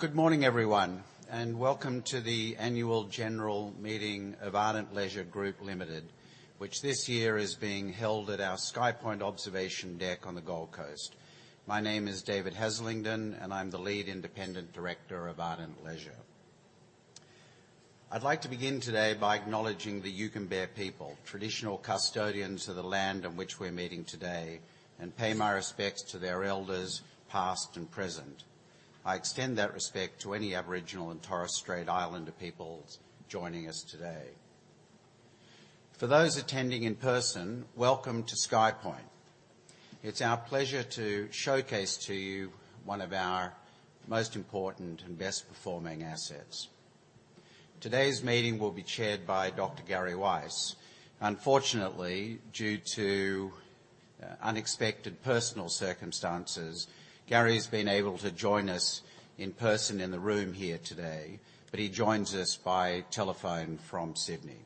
Good morning, everyone, and welcome to the Annual General Meeting of Ardent Leisure Group Limited, which this year is being held at our SkyPoint Observation Deck on the Gold Coast. My name is David Haslingden, and I'm the Lead Independent Director of Ardent Leisure. I'd like to begin today by acknowledging the Yugambeh people, traditional custodians of the land on which we're meeting today, and pay my respects to their elders, past and present. I extend that respect to any Aboriginal and Torres Strait Islander peoples joining us today. For those attending in person, welcome to SkyPoint. It's our pleasure to showcase to you one of our most important and best-performing assets. Today's meeting will be chaired by Dr. Gary Weiss. Unfortunately, due to unexpected personal circumstances, Gary's been able to join us in person in the room here today, but he joins us by telephone from Sydney.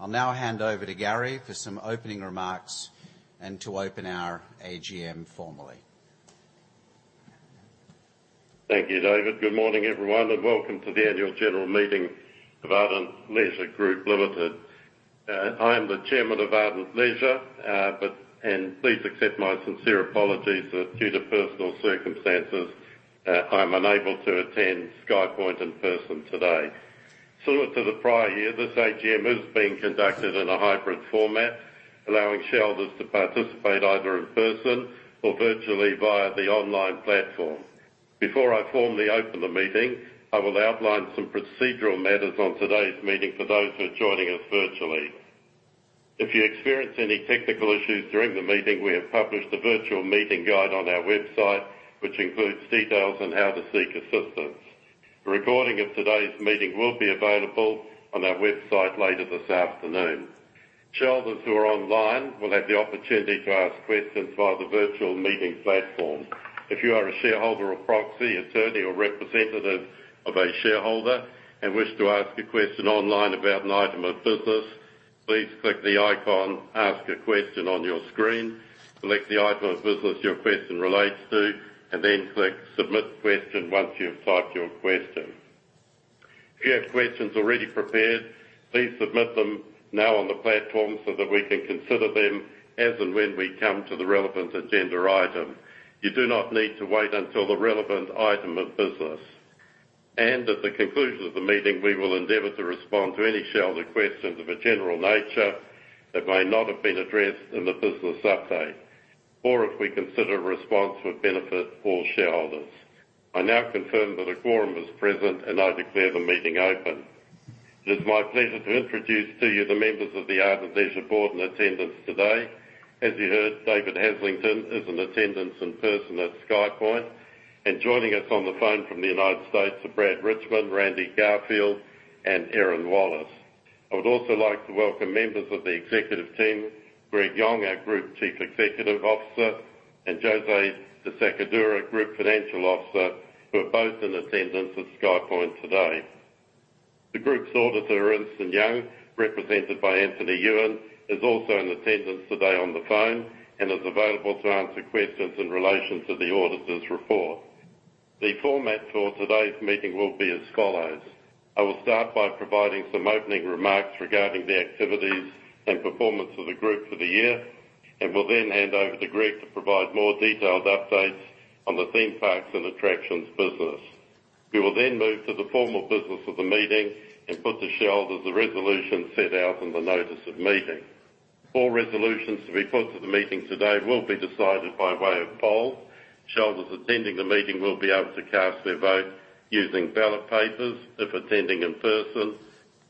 I'll now hand over to Gary for some opening remarks and to open our AGM formally. Thank you, David. Good morning, everyone, and welcome to the Annual General Meeting of Ardent Leisure Group Limited. I am the Chairman of Ardent Leisure, but and please accept my sincere apologies that due to personal circumstances, I'm unable to attend SkyPoint in person today. Similar to the prior year, this AGM is being conducted in a hybrid format, allowing shareholders to participate either in person or virtually via the online platform. Before I formally open the meeting, I will outline some procedural matters on today's meeting for those who are joining us virtually. If you experience any technical issues during the meeting, we have published a virtual meeting guide on our website, which includes details on how to seek assistance. A recording of today's meeting will be available on our website later this afternoon. Shareholders who are online will have the opportunity to ask questions via the virtual meeting platform. If you are a shareholder or proxy, attorney or representative of a shareholder, and wish to ask a question online about an item of business, please click the icon, Ask a Question, on your screen. Select the item of business your question relates to, and then click Submit Question once you've typed your question. If you have questions already prepared, please submit them now on the platform so that we can consider them as and when we come to the relevant agenda item. You do not need to wait until the relevant item of business. At the conclusion of the meeting, we will endeavor to respond to any shareholder questions of a general nature that may not have been addressed in the business update, or if we consider a response would benefit all shareholders. I now confirm that a quorum is present, and I declare the meeting open. It is my pleasure to introduce to you the members of the Ardent Leisure Board in attendance today. As you heard, David Haslingden is in attendance in person at SkyPoint, and joining us on the phone from the United States are Brad Richmond, Randy Garfield, and Erin Wallace. I would also like to welcome members of the executive team, Greg Yong, our Group Chief Executive Officer, and José de Sacadura, Group Chief Financial Officer, who are both in attendance at SkyPoint today. The group's auditor, Ernst & Young, represented by Anthony Ewan, is also in attendance today on the phone and is available to answer questions in relation to the auditor's report. The format for today's meeting will be as follows: I will start by providing some opening remarks regarding the activities and performance of the group for the year, and will then hand over to Greg to provide more detailed updates on the theme parks and attractions business. We will then move to the formal business of the meeting and put to shareholders the resolution set out in the notice of meeting. All resolutions to be put to the meeting today will be decided by way of poll. Shareholders attending the meeting will be able to cast their vote using ballot papers if attending in person,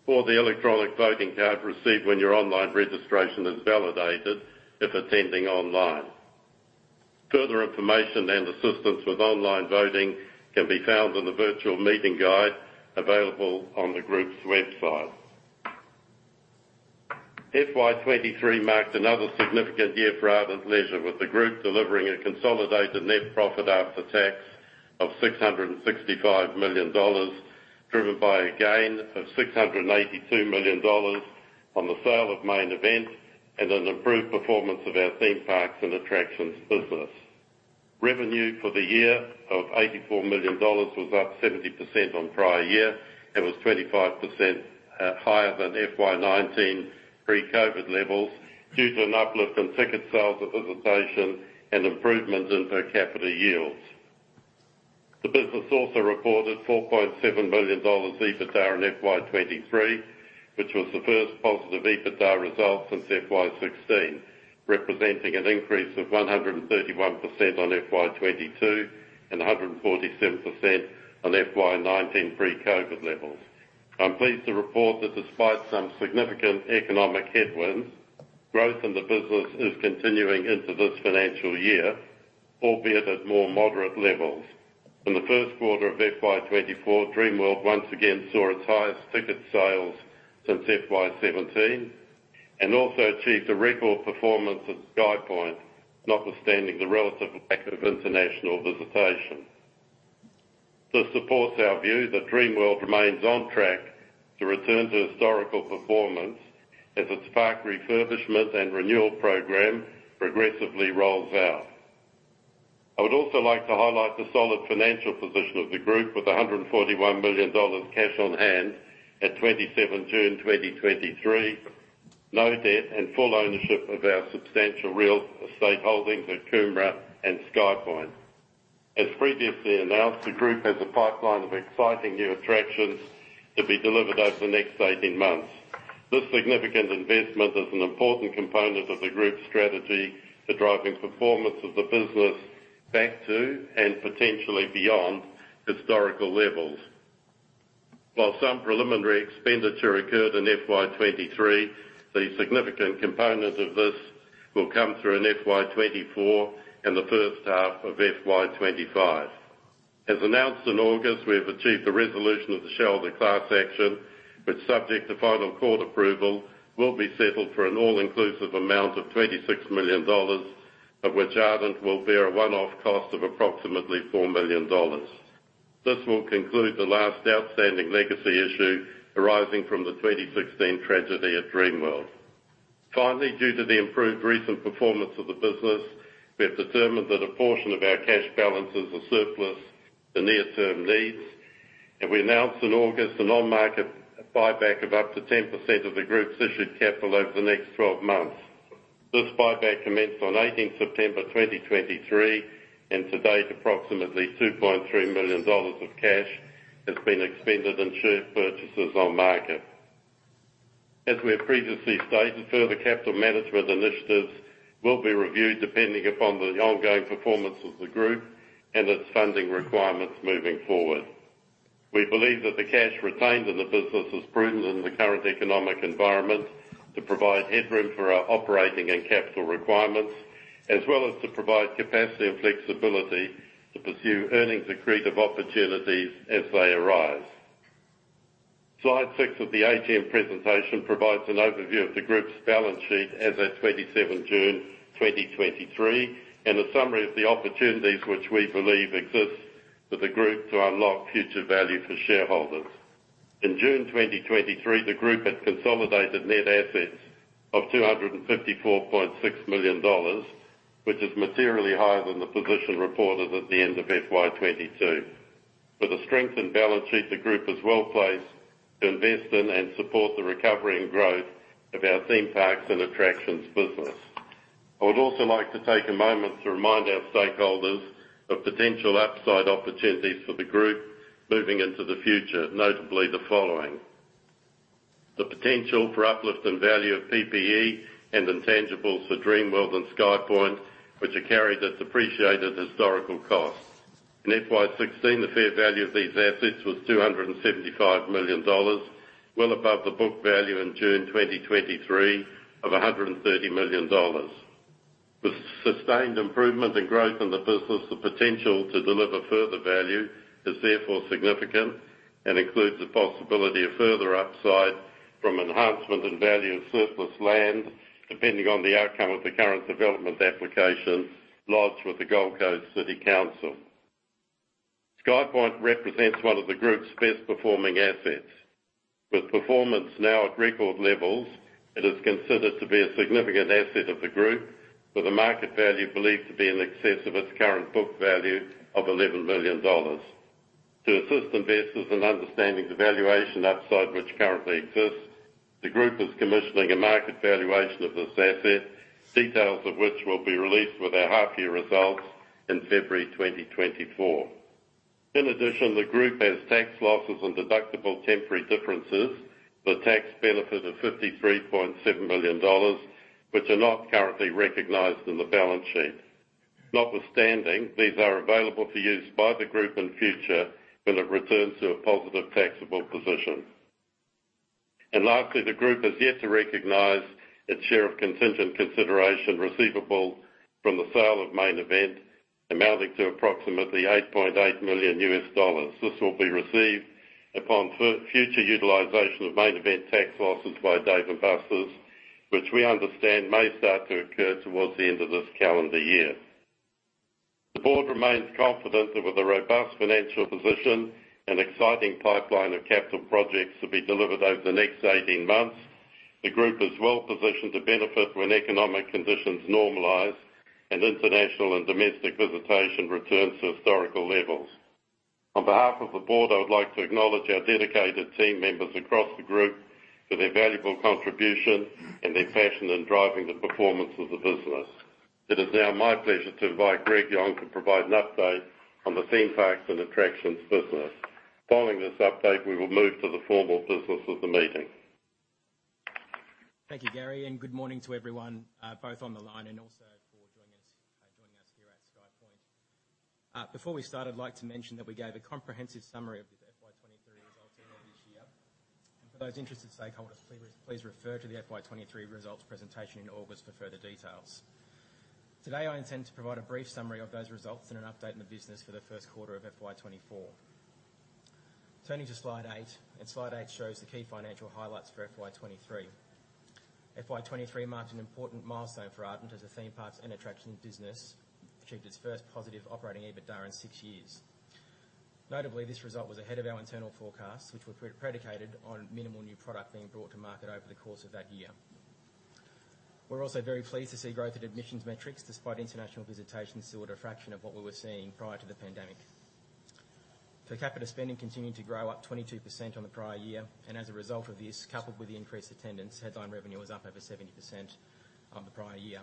or the electronic voting card received when your online registration is validated if attending online. Further information and assistance with online voting can be found in the virtual meeting guide available on the group's website. FY 2023 marked another significant year for Ardent Leisure, with the group delivering a consolidated net profit after tax of 665 million dollars, driven by a gain of 682 million dollars on the sale of Main Event and an improved performance of our theme parks and attractions business. Revenue for the year of 84 million dollars was up 70% on prior year and was 25% higher than FY 2019 pre-COVID levels due to an uplift in ticket sales, visitation, and improvements in per capita yields. The business also reported AUD 4.7 million EBITDA in FY 2023, which was the first positive EBITDA result since FY 2016, representing an increase of 131% on FY 2022 and 147% on FY 2019 pre-COVID levels. I'm pleased to report that despite some significant economic headwinds, growth in the business is continuing into this financial year, albeit at more moderate levels. In the first quarter of FY 2024, Dreamworld once again saw its highest ticket sales since FY 2017 and also achieved a record performance at SkyPoint, notwithstanding the relative lack of international visitation. This supports our view that Dreamworld remains on track to return to historical performance... as its park refurbishment and renewal program progressively rolls out. I would also like to highlight the solid financial position of the group, with 141 million dollars cash on hand at 27 June 2023, no debt, and full ownership of our substantial real estate holdings at Coomera and SkyPoint. As previously announced, the group has a pipeline of exciting new attractions to be delivered over the next 18 months. This significant investment is an important component of the group's strategy for driving performance of the business back to, and potentially beyond, historical levels. While some preliminary expenditure occurred in FY 2023, the significant component of this will come through in FY 2024 and the first half of FY 2025. As announced in August, we have achieved the resolution of the shareholder class action, which, subject to final court approval, will be settled for an all-inclusive amount of 26 million dollars, of which Ardent will bear a one-off cost of approximately 4 million dollars. This will conclude the last outstanding legacy issue arising from the 2016 tragedy at Dreamworld. Finally, due to the improved recent performance of the business, we have determined that a portion of our cash balances are surplus to near-term needs, and we announced in August an on-market buyback of up to 10% of the group's issued capital over the next 12 months. This buyback commenced on 18 September 2023, and to date, approximately 2.3 million dollars of cash has been expended in share purchases on market. As we have previously stated, further capital management initiatives will be reviewed depending upon the ongoing performance of the group and its funding requirements moving forward. We believe that the cash retained in the business is prudent in the current economic environment to provide headroom for our operating and capital requirements, as well as to provide capacity and flexibility to pursue earnings accretive opportunities as they arise. Slide six of the AGM presentation provides an overview of the group's balance sheet as at 27 June 2023, and a summary of the opportunities which we believe exist for the group to unlock future value for shareholders. In June 2023, the group had consolidated net assets of 254.6 million dollars, which is materially higher than the position reported at the end of FY 2022. With a strengthened balance sheet, the group is well placed to invest in and support the recovery and growth of our theme parks and attractions business. I would also like to take a moment to remind our stakeholders of potential upside opportunities for the group moving into the future, notably the following: The potential for uplift and value of PPE and intangibles for Dreamworld and SkyPoint, which are carried at depreciated historical costs. In FY 2016, the fair value of these assets was 275 million dollars, well above the book value in June 2023 of 130 million dollars. With sustained improvement and growth in the business, the potential to deliver further value is therefore significant and includes the possibility of further upside from enhancement and value of surplus land, depending on the outcome of the current development application lodged with the Gold Coast City Council. SkyPoint represents one of the group's best-performing assets. With performance now at record levels, it is considered to be a significant asset of the group, with a market value believed to be in excess of its current book value of 11 million dollars. To assist investors in understanding the valuation upside which currently exists, the group is commissioning a market valuation of this asset, details of which will be released with our half-year results in February 2024. In addition, the group has tax losses and deductible temporary differences, with a tax benefit of 53.7 million dollars, which are not currently recognized in the balance sheet. Notwithstanding, these are available for use by the group in future when it returns to a positive taxable position. And lastly, the group has yet to recognize its share of contingent consideration receivable from the sale of Main Event, amounting to approximately $8.8 million. This will be received upon future utilization of Main Event tax losses by Dave & Buster's, which we understand may start to occur towards the end of this calendar year. The board remains confident that with a robust financial position and exciting pipeline of capital projects to be delivered over the next 18 months, the group is well positioned to benefit when economic conditions normalize and international and domestic visitation returns to historical levels. On behalf of the board, I would like to acknowledge our dedicated team members across the group for their valuable contribution and their passion in driving the performance of the business. It is now my pleasure to invite Greg Yong to provide an update on the theme parks and attractions business. Following this update, we will move to the formal business of the meeting. Thank you, Gary, and good morning to everyone, both on the line and also for joining us, joining us here at SkyPoint. Before we start, I'd like to mention that we gave a comprehensive summary of the FY 2023 results earlier this year. For those interested stakeholders, please, please refer to the FY 2023 results presentation in August for further details. Today, I intend to provide a brief summary of those results and an update on the business for the first quarter of FY 2024. Turning to slide eight, and slide eight shows the key financial highlights for FY 2023. FY 2023 marked an important milestone for Ardent, as the theme parks and attractions business achieved its first positive operating EBITDA in six years. Notably, this result was ahead of our internal forecast, which were pre-predicated on minimal new product being brought to market over the course of that year. We're also very pleased to see growth in admissions metrics, despite international visitation still at a fraction of what we were seeing prior to the pandemic. Per capita spending continued to grow, up 22% on the prior year, and as a result of this, coupled with the increased attendance, headline revenue was up over 70% on the prior year.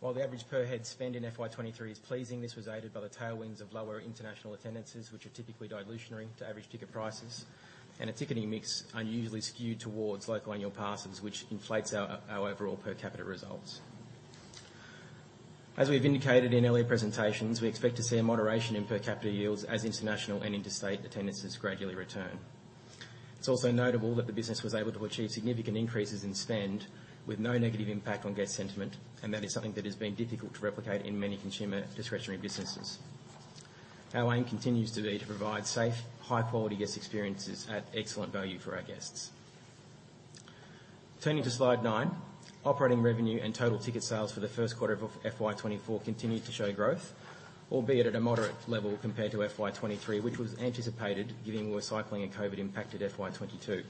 While the average per head spend in FY 2023 is pleasing, this was aided by the tailwinds of lower international attendances, which are typically dilutionary to average ticket prices, and a ticketing mix unusually skewed towards local annual passes, which inflates our overall per capita results. As we've indicated in earlier presentations, we expect to see a moderation in per capita yields as international and interstate attendances gradually return. It's also notable that the business was able to achieve significant increases in spend with no negative impact on guest sentiment, and that is something that has been difficult to replicate in many consumer discretionary businesses. Our aim continues to be to provide safe, high-quality guest experiences at excellent value for our guests. Turning to slide nine. Operating revenue and total ticket sales for the first quarter of FY 2024 continued to show growth, albeit at a moderate level compared to FY 2023, which was anticipated given we're cycling a COVID-impacted FY 2022.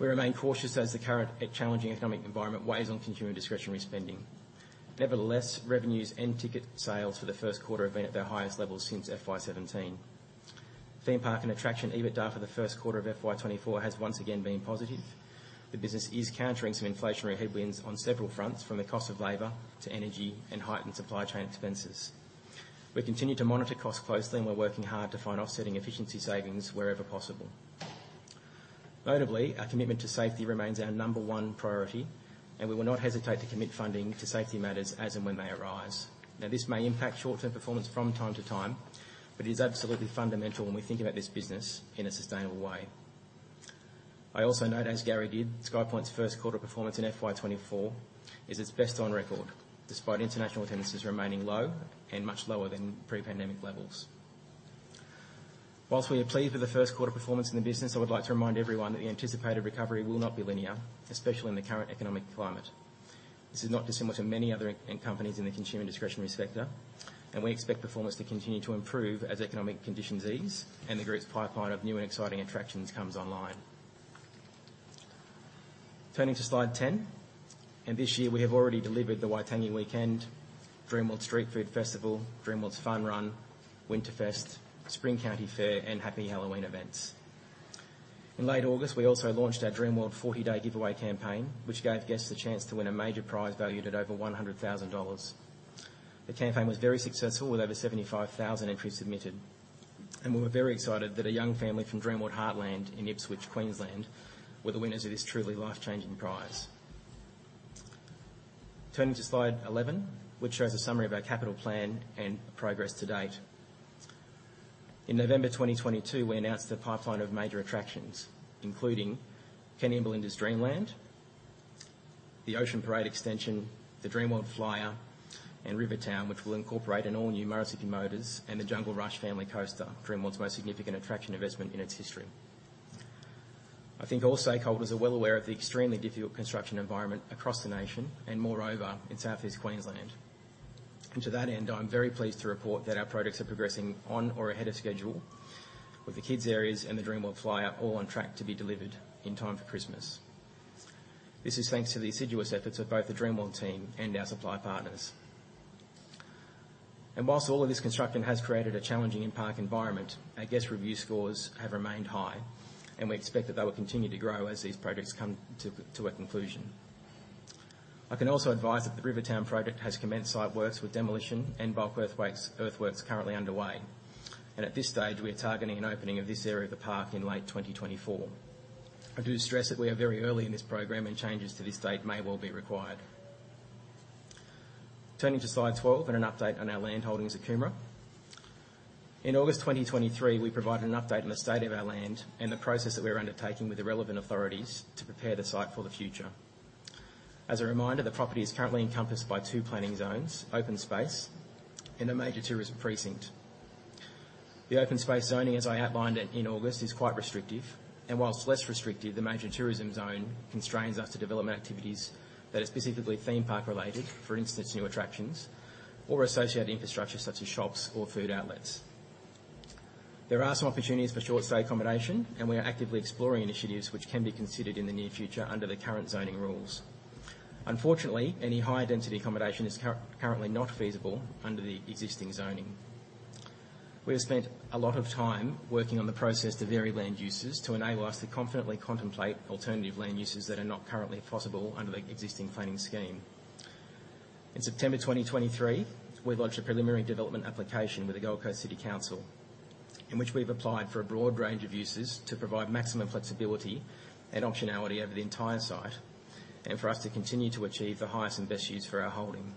We remain cautious as the current challenging economic environment weighs on consumer discretionary spending. Nevertheless, revenues and ticket sales for the first quarter have been at their highest levels since FY 2017. Theme park and attraction EBITDA for the first quarter of FY 2024 has once again been positive. The business is countering some inflationary headwinds on several fronts, from the cost of labor to energy and heightened supply chain expenses. We continue to monitor costs closely, and we're working hard to find offsetting efficiency savings wherever possible. Notably, our commitment to safety remains our number one priority, and we will not hesitate to commit funding to safety matters as and when they arise. Now, this may impact short-term performance from time to time, but it is absolutely fundamental when we think about this business in a sustainable way. I also note, as Gary did, SkyPoint's first quarter performance in FY 2024 is its best on record, despite international attendances remaining low and much lower than pre-pandemic levels. While we are pleased with the first quarter performance in the business, I would like to remind everyone that the anticipated recovery will not be linear, especially in the current economic climate. This is not dissimilar to many other companies in the consumer discretionary sector, and we expect performance to continue to improve as economic conditions ease and the group's pipeline of new and exciting attractions comes online. Turning to slide 10. This year we have already delivered the Waitangi Weekend, Dreamworld Street Food Festival, Dreamworld's Fun Run, Winterfest, Spring County Fair, and Happy Halloween events. In late August, we also launched our Dreamworld 40-day giveaway campaign, which gave guests the chance to win a major prize valued at over 100,000 dollars. The campaign was very successful, with over 75,000 entries submitted, and we were very excited that a young family from Dreamworld Heartland in Ipswich, Queensland, were the winners of this truly life-changing prize. Turning to slide 11, which shows a summary of our capital plan and progress to date. In November 2022, we announced a pipeline of major attractions, including Kenny and Belinda's Dreamland, the Ocean Parade extension, the Dreamworld Flyer, and Rivertown, which will incorporate an all-new Murrissippi Motors and the Jungle Rush family coaster, Dreamworld's most significant attraction investment in its history. I think all stakeholders are well aware of the extremely difficult construction environment across the nation and moreover, in Southeast Queensland. And to that end, I'm very pleased to report that our projects are progressing on or ahead of schedule, with the kids' areas and the Dreamworld Flyer all on track to be delivered in time for Christmas. This is thanks to the assiduous efforts of both the Dreamworld team and our supply partners. And while all of this construction has created a challenging in-park environment, our guest review scores have remained high, and we expect that they will continue to grow as these projects come to a conclusion. I can also advise that the Rivertown project has commenced site works with demolition and bulk earthworks currently underway, and at this stage, we are targeting an opening of this area of the park in late 2024. I do stress that we are very early in this program, and changes to this date may well be required. Turning to slide 12 and an update on our land holdings at Coomera. In August 2023, we provided an update on the state of our land and the process that we are undertaking with the relevant authorities to prepare the site for the future. As a reminder, the property is currently encompassed by two planning zones, open space and a major tourism precinct. The open space zoning, as I outlined it in August, is quite restrictive, and while less restrictive, the major tourism zone constrains us to development activities that are specifically theme park-related, for instance, new attractions or associated infrastructure such as shops or food outlets. There are some opportunities for short stay accommodation, and we are actively exploring initiatives which can be considered in the near future under the current zoning rules. Unfortunately, any high-density accommodation is currently not feasible under the existing zoning. We have spent a lot of time working on the process to vary land uses, to enable us to confidently contemplate alternative land uses that are not currently possible under the existing planning scheme. In September 2023, we lodged a preliminary development application with the Gold Coast City Council, in which we've applied for a broad range of uses to provide maximum flexibility and optionality over the entire site, and for us to continue to achieve the highest and best use for our holding.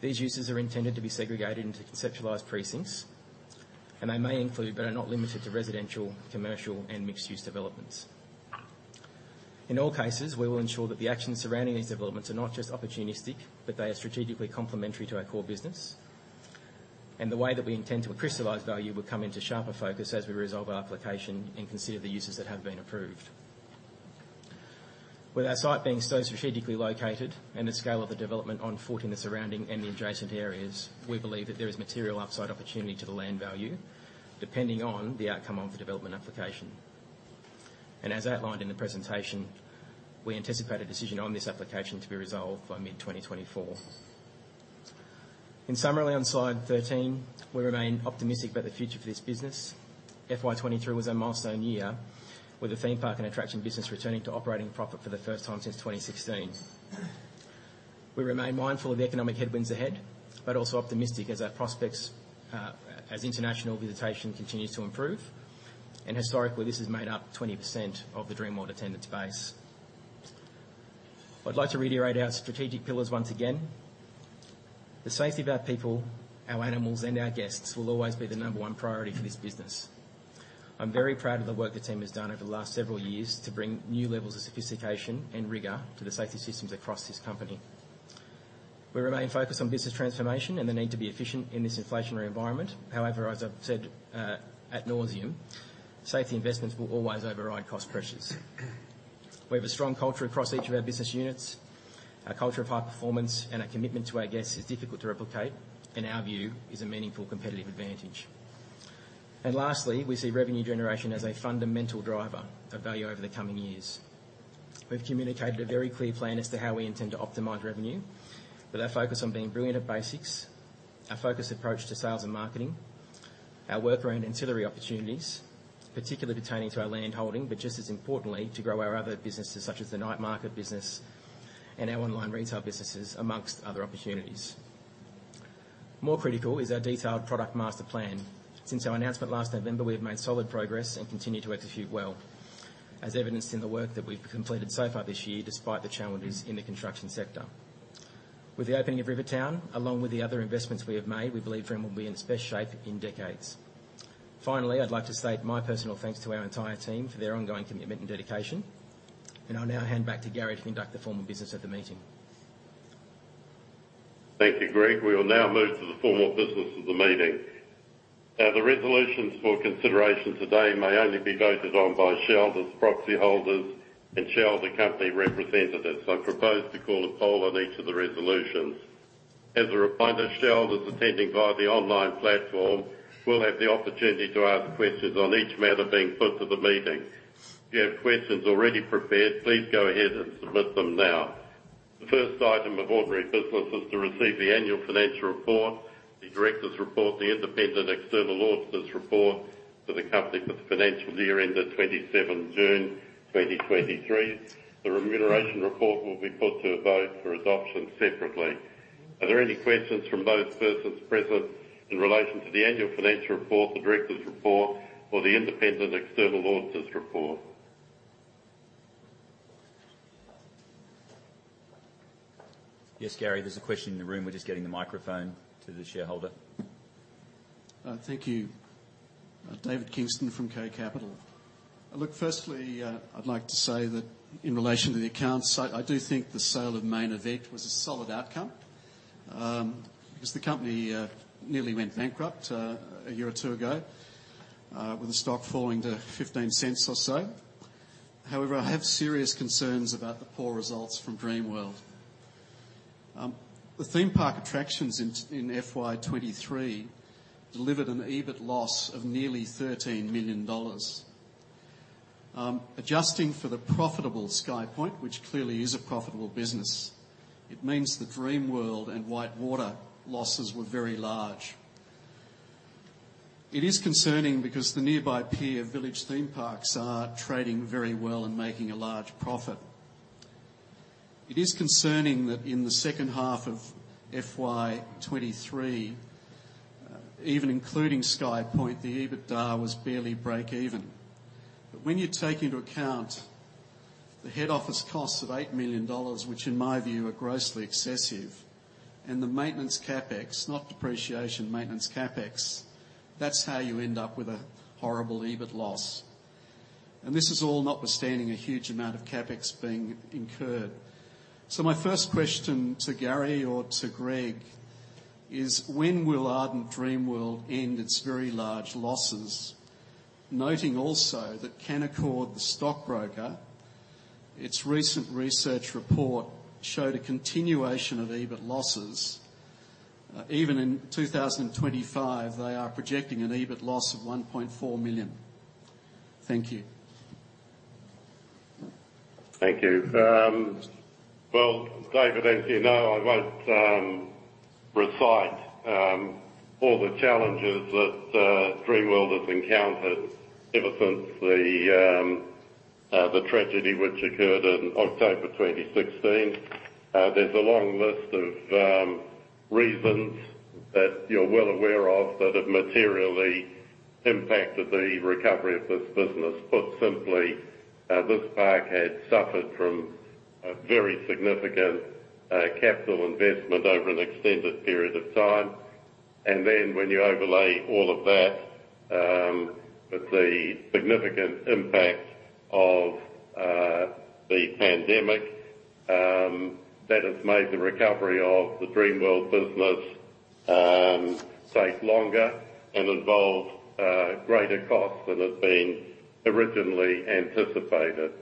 These uses are intended to be segregated into conceptualized precincts, and they may include, but are not limited to, residential, commercial, and mixed-use developments. In all cases, we will ensure that the actions surrounding these developments are not just opportunistic, but they are strategically complementary to our core business. The way that we intend to crystallize value will come into sharper focus as we resolve our application and consider the uses that have been approved. With our site being so strategically located and the scale of the development on foot in the surrounding and the adjacent areas, we believe that there is material upside opportunity to the land value, depending on the outcome of the development application. As outlined in the presentation, we anticipate a decision on this application to be resolved by mid-2024. In summary, on slide 13, we remain optimistic about the future for this business. FY 2023 was a milestone year, with the theme park and attraction business returning to operating profit for the first time since 2016. We remain mindful of the economic headwinds ahead, but also optimistic as our prospects, as international visitation continues to improve. Historically, this has made up 20% of the Dreamworld attendance base. I'd like to reiterate our strategic pillars once again. The safety of our people, our animals, and our guests will always be the number one priority for this business. I'm very proud of the work the team has done over the last several years to bring new levels of sophistication and rigor to the safety systems across this company. We remain focused on business transformation and the need to be efficient in this inflationary environment. However, as I've said, ad nauseam, safety investments will always override cost pressures. We have a strong culture across each of our business units. Our culture of high performance and our commitment to our guests is difficult to replicate, in our view, is a meaningful competitive advantage. Lastly, we see revenue generation as a fundamental driver of value over the coming years. We've communicated a very clear plan as to how we intend to optimize revenue, with our focus on being brilliant at basics, our focused approach to sales and marketing, our work around ancillary opportunities, particularly pertaining to our landholding, but just as importantly, to grow our other businesses, such as the night market business and our online retail businesses, amongst other opportunities. More critical is our detailed product master plan. Since our announcement last November, we have made solid progress and continue to execute well, as evidenced in the work that we've completed so far this year, despite the challenges in the construction sector. With the opening of Rivertown, along with the other investments we have made, we believe Dreamworld will be in its best shape in decades. Finally, I'd like to state my personal thanks to our entire team for their ongoing commitment and dedication, and I'll now hand back to Gary to conduct the formal business of the meeting. Thank you, Greg. We will now move to the formal business of the meeting. Now, the resolutions for consideration today may only be voted on by shareholders, proxy holders, and shareholder company representatives. I propose to call a poll on each of the resolutions. As a reminder, shareholders attending via the online platform will have the opportunity to ask questions on each matter being put to the meeting. If you have questions already prepared, please go ahead and submit them now. The first item of ordinary business is to receive the annual financial report, the directors' report, the independent external auditor's report for the company for the financial year ended 27 June 2023. The remuneration report will be put to a vote for adoption separately. Are there any questions from those persons present in relation to the annual financial report, the directors' report, or the independent external auditor's report? Yes, Gary, there's a question in the room. We're just getting the microphone to the shareholder. Thank you. David Kingston from K Capital. Look, firstly, I'd like to say that in relation to the accounts, I, I do think the sale of Main Event was a solid outcome, because the company nearly went bankrupt, a year or two ago, with the stock falling to 0.15 or so. However, I have serious concerns about the poor results from Dreamworld. The theme park attractions in, in FY 2023 delivered an EBIT loss of nearly 13 million dollars. Adjusting for the profitable SkyPoint, which clearly is a profitable business, it means the Dreamworld and WhiteWater losses were very large. It is concerning because the nearby Pier Village theme parks are trading very well and making a large profit. It is concerning that in the second half of FY 2023, even including SkyPoint, the EBITDA was barely break even. But when you take into account the head office costs of 8 million dollars, which in my view, are grossly excessive, and the maintenance CapEx, not depreciation, maintenance CapEx, that's how you end up with a horrible EBIT loss. And this is all notwithstanding a huge amount of CapEx being incurred. So my first question to Gary or to Greg is: When will Ardent Dreamworld end its very large losses? Noting also that Canaccord, the stockbroker, its recent research report showed a continuation of EBIT losses. Even in 2025, they are projecting an EBIT loss of 1.4 million. Thank you. Thank you. Well, David, as you know, I won't recite all the challenges that Dreamworld has encountered ever since the tragedy which occurred in October 2016. There's a long list of reasons that you're well aware of, that have materially impacted the recovery of this business. Put simply, this park had suffered from a very significant capital investment over an extended period of time. And then when you overlay all of that with the significant impact of the pandemic, that has made the recovery of the Dreamworld business take longer and involve greater costs than had been originally anticipated.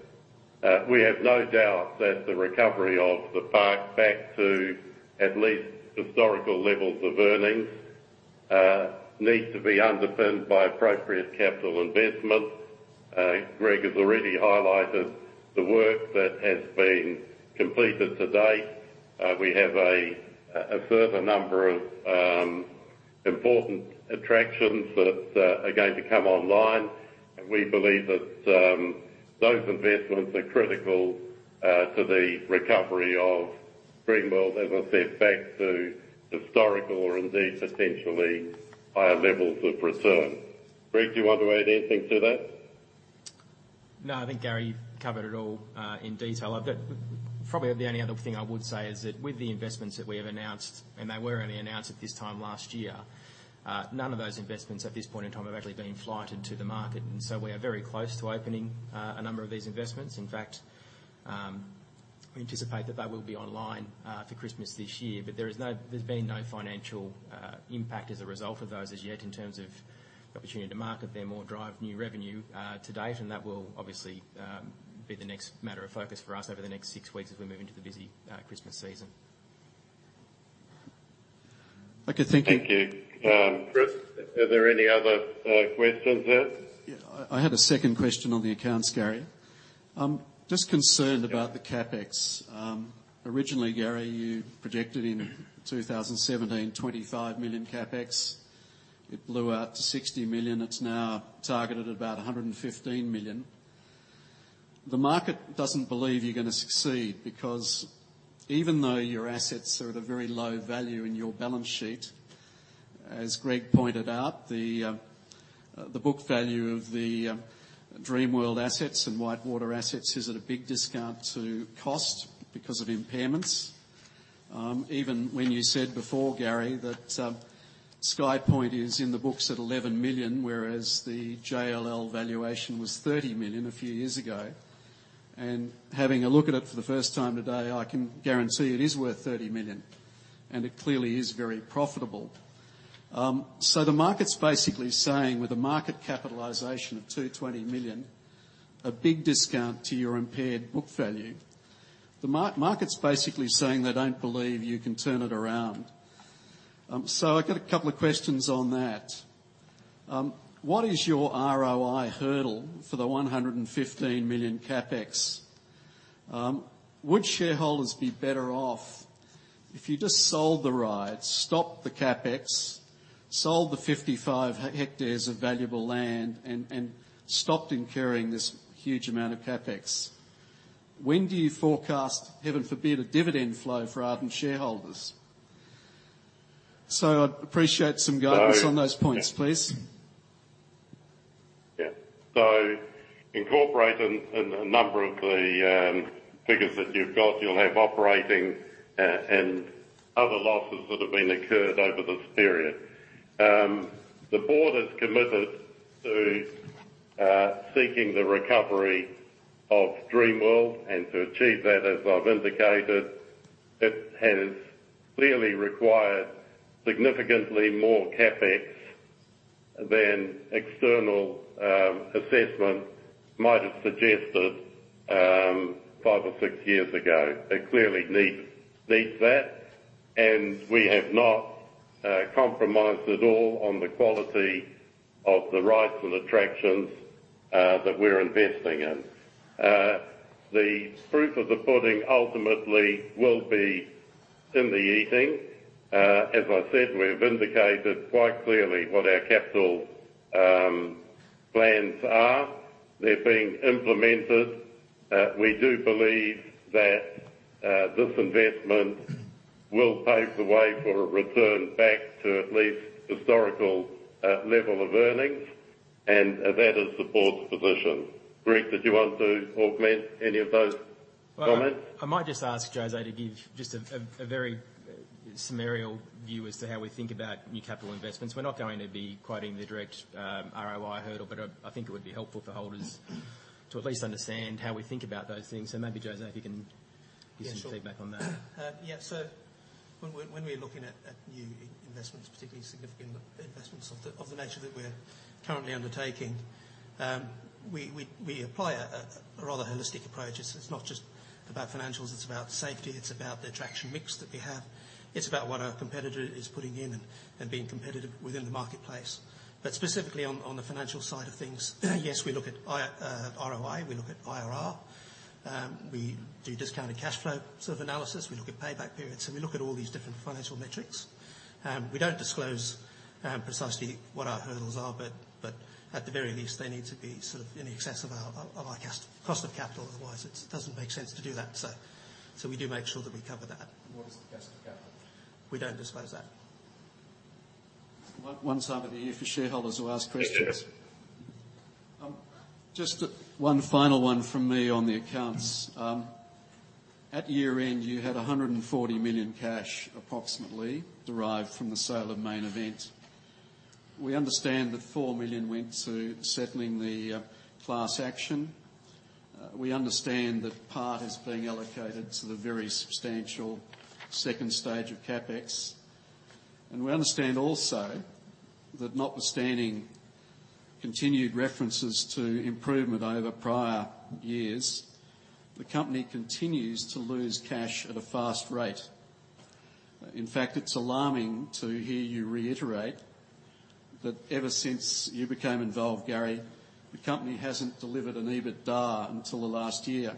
We have no doubt that the recovery of the park back to at least historical levels of earnings needs to be underpinned by appropriate capital investment. Greg has already highlighted the work that has been completed to date. We have a further number of important attractions that are going to come online, and we believe that those investments are critical to the recovery of Dreamworld, as I said, back to historical or indeed potentially higher levels of return. Greg, do you want to add anything to that? No, I think, Gary, you've covered it all, in detail. I've got—probably the only other thing I would say is that with the investments that we have announced, and they were only announced at this time last year, none of those investments at this point in time have actually been flighted to the market, and so we are very close to opening, a number of these investments. In fact, we anticipate that they will be online, for Christmas this year. But there is no—there's been no financial, impact as a result of those as yet, in terms of the opportunity to market them or drive new revenue, to date, and that will obviously, be the next matter of focus for us over the next six weeks as we move into the busy, Christmas season. Okay, thank you. Thank you. Chris, are there any other questions there? Yeah, I had a second question on the accounts, Gary. I'm just concerned- Yeah. About the CapEx. Originally, Gary, you projected in 2017, 25 million CapEx. It blew out to 60 million. It's now targeted at about 115 million. The market doesn't believe you're going to succeed, because even though your assets are at a very low value in your balance sheet, as Greg pointed out, the book value of the Dreamworld assets and WhiteWater assets is at a big discount to cost because of impairments. Even when you said before, Gary, that SkyPoint is in the books at 11 million, whereas the JLL valuation was 30 million a few years ago. And having a look at it for the first time today, I can guarantee it is worth 30 million, and it clearly is very profitable. So the market's basically saying, with a market capitalization of 220 million, a big discount to your impaired book value. The market's basically saying they don't believe you can turn it around. So I've got a couple of questions on that. What is your ROI hurdle for the 115 million CapEx? Would shareholders be better off if you just sold the rides, stopped the CapEx, sold the 55 hectares of valuable land, and stopped incurring this huge amount of CapEx? When do you forecast, heaven forbid, a dividend flow for Ardent shareholders? So I'd appreciate some guidance- So- on those points, please. Yeah. So incorporating a number of the figures that you've got, you'll have operating and other losses that have been occurred over this period. The board is committed to seeking the recovery of Dreamworld, and to achieve that, as I've indicated, it has clearly required significantly more CapEx than external assessments might have suggested five or six years ago. It clearly needs that, and we have not compromised at all on the quality of the rides and attractions that we're investing in. The fruit of the pudding ultimately will be in the eating. As I said, we've indicated quite clearly what our capital plans are. They're being implemented. We do believe that this investment will pave the way for a return back to at least historical level of earnings, and, and that is the board's position. Greg, did you want to augment any of those comments? I might just ask José to give just a very summary view as to how we think about new capital investments. We're not going to be quoting the direct ROI hurdle, but I think it would be helpful for holders to at least understand how we think about those things. So maybe, José, if you can- Yeah, sure. Give some feedback on that. Yeah. So when we're looking at new investments, particularly significant investments of the nature that we're currently undertaking, we apply a rather holistic approach. It's not just about financials, it's about safety, it's about the attraction mix that we have. It's about what our competitor is putting in and being competitive within the marketplace. But specifically on the financial side of things, yes, we look at IRR, ROI, we look at IRR, we do discounted cash flow sort of analysis, we look at payback periods, and we look at all these different financial metrics. We don't disclose precisely what our hurdles are, but at the very least, they need to be sort of in excess of our cost of capital. Otherwise, it doesn't make sense to do that. So, we do make sure that we cover that. What is the cost of capital? We don't disclose that. Open the floor for shareholders who ask questions. Just a one final one from me on the accounts. At year-end, you had 140 million cash, approximately, derived from the sale of Main Event. We understand that 4 million went to settling the class action. We understand that part is being allocated to the very substantial second stage of CapEx. We understand also that notwithstanding continued references to improvement over prior years, the company continues to lose cash at a fast rate. In fact, it's alarming to hear you reiterate that ever since you became involved, Gary, the company hasn't delivered an EBITDA until the last year.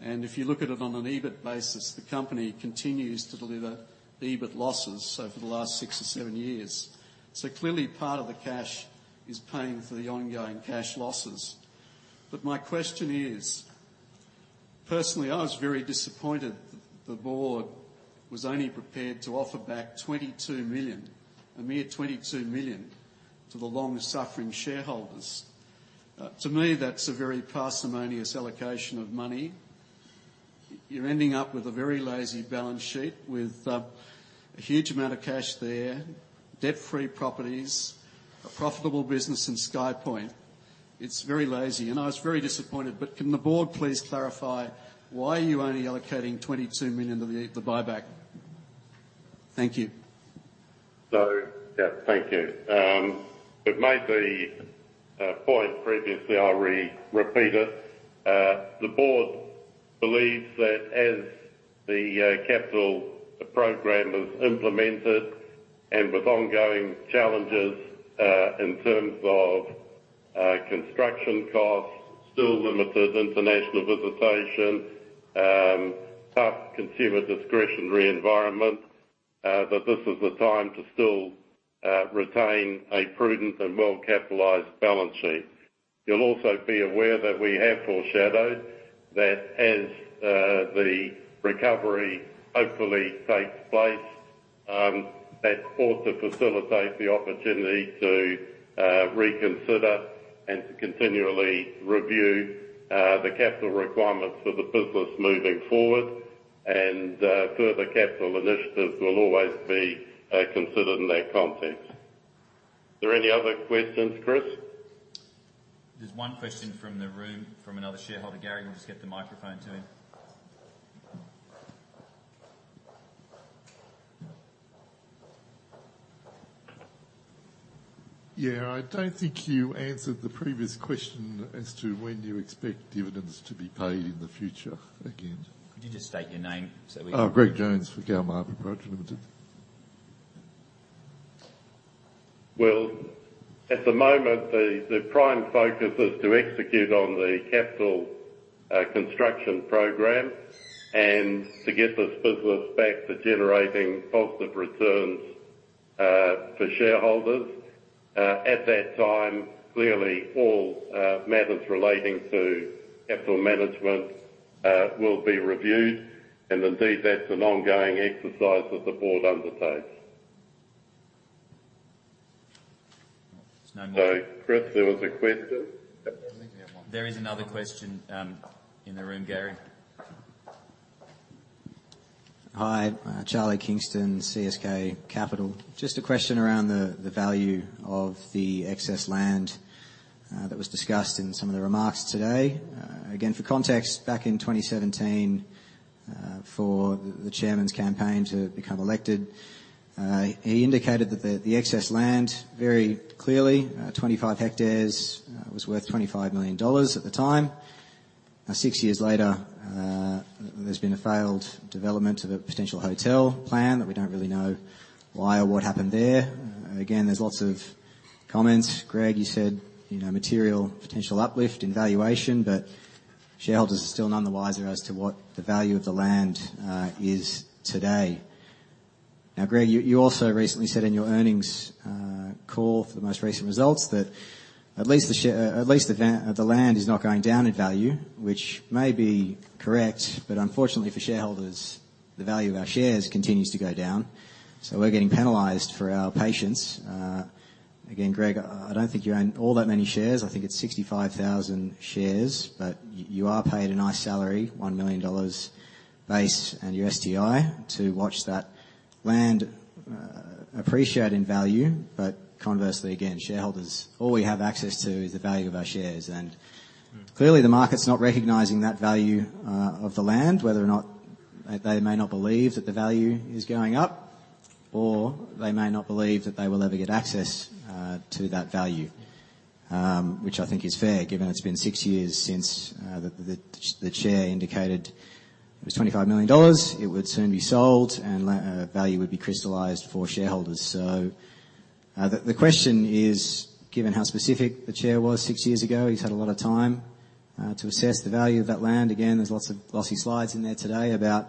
If you look at it on an EBIT basis, the company continues to deliver EBIT losses over the last six or seven years. Clearly, part of the cash is paying for the ongoing cash losses. But my question is, personally, I was very disappointed the board was only prepared to offer back 22 million, a mere 22 million, to the long-suffering shareholders. To me, that's a very parsimonious allocation of money. You're ending up with a very lazy balance sheet, with a huge amount of cash there, debt-free properties, a profitable business in SkyPoint. It's very lazy, and I was very disappointed. But can the board please clarify why you're only allocating 22 million to the buyback? Thank you. So, yeah, thank you. It made the point previously, I'll repeat it. The board believes that as the capital program is implemented and with ongoing challenges in terms of construction costs, still limited international visitation, tough consumer discretionary environment, that this is the time to still retain a prudent and well-capitalized balance sheet. You'll also be aware that we have foreshadowed that as the recovery hopefully takes place, that's also facilitates the opportunity to reconsider and to continually review the capital requirements for the business moving forward, and further capital initiatives will always be considered in that context. Are there any other questions, Chris? There's one question from the room, from another shareholder. Gary, we'll just get the microphone to him. Yeah. I don't think you answered the previous question as to when do you expect dividends to be paid in the future again? Could you just state your name so we- Greg Jones with Galmarp Approach Limited. Well, at the moment, the prime focus is to execute on the capital construction program and to get this business back to generating positive returns for shareholders. At that time, clearly, all matters relating to capital management will be reviewed, and indeed, that's an ongoing exercise that the board undertakes. There's no more- So, Chris, there was a question? I think we have one. There is another question, in the room, Gary. Hi, Charlie Kingston, CSK Capital. Just a question around the value of the excess land that was discussed in some of the remarks today. Again, for context, back in 2017, for the chairman's campaign to become elected, he indicated that the excess land, very clearly, 25 hectares, was worth 25 million dollars at the time. Now, six years later, there's been a failed development of a potential hotel plan that we don't really know why or what happened there. Again, there's lots of comments. Greg, you said, you know, material potential uplift in valuation, but shareholders are still none the wiser as to what the value of the land is today. Now, Greg, you, you also recently said in your earnings call for the most recent results, that at least the land is not going down in value, which may be correct, but unfortunately for shareholders, the value of our shares continues to go down. So we're getting penalized for our patience. Again, Greg, I, I don't think you own all that many shares. I think it's 65,000 shares, but you are paid a nice salary, 1 million dollars base and your STI, to watch that land appreciate in value. But conversely, again, shareholders, all we have access to is the value of our shares, and clearly, the market's not recognizing that value of the land, whether or not they, they may not believe that the value is going up, or they may not believe that they will ever get access to that value. Which I think is fair, given it's been six years since the chair indicated it was 25 million dollars, it would soon be sold, and value would be crystallized for shareholders. So, the question is, given how specific the chair was six years ago, he's had a lot of time to assess the value of that land. Again, there's lots of glossy slides in there today about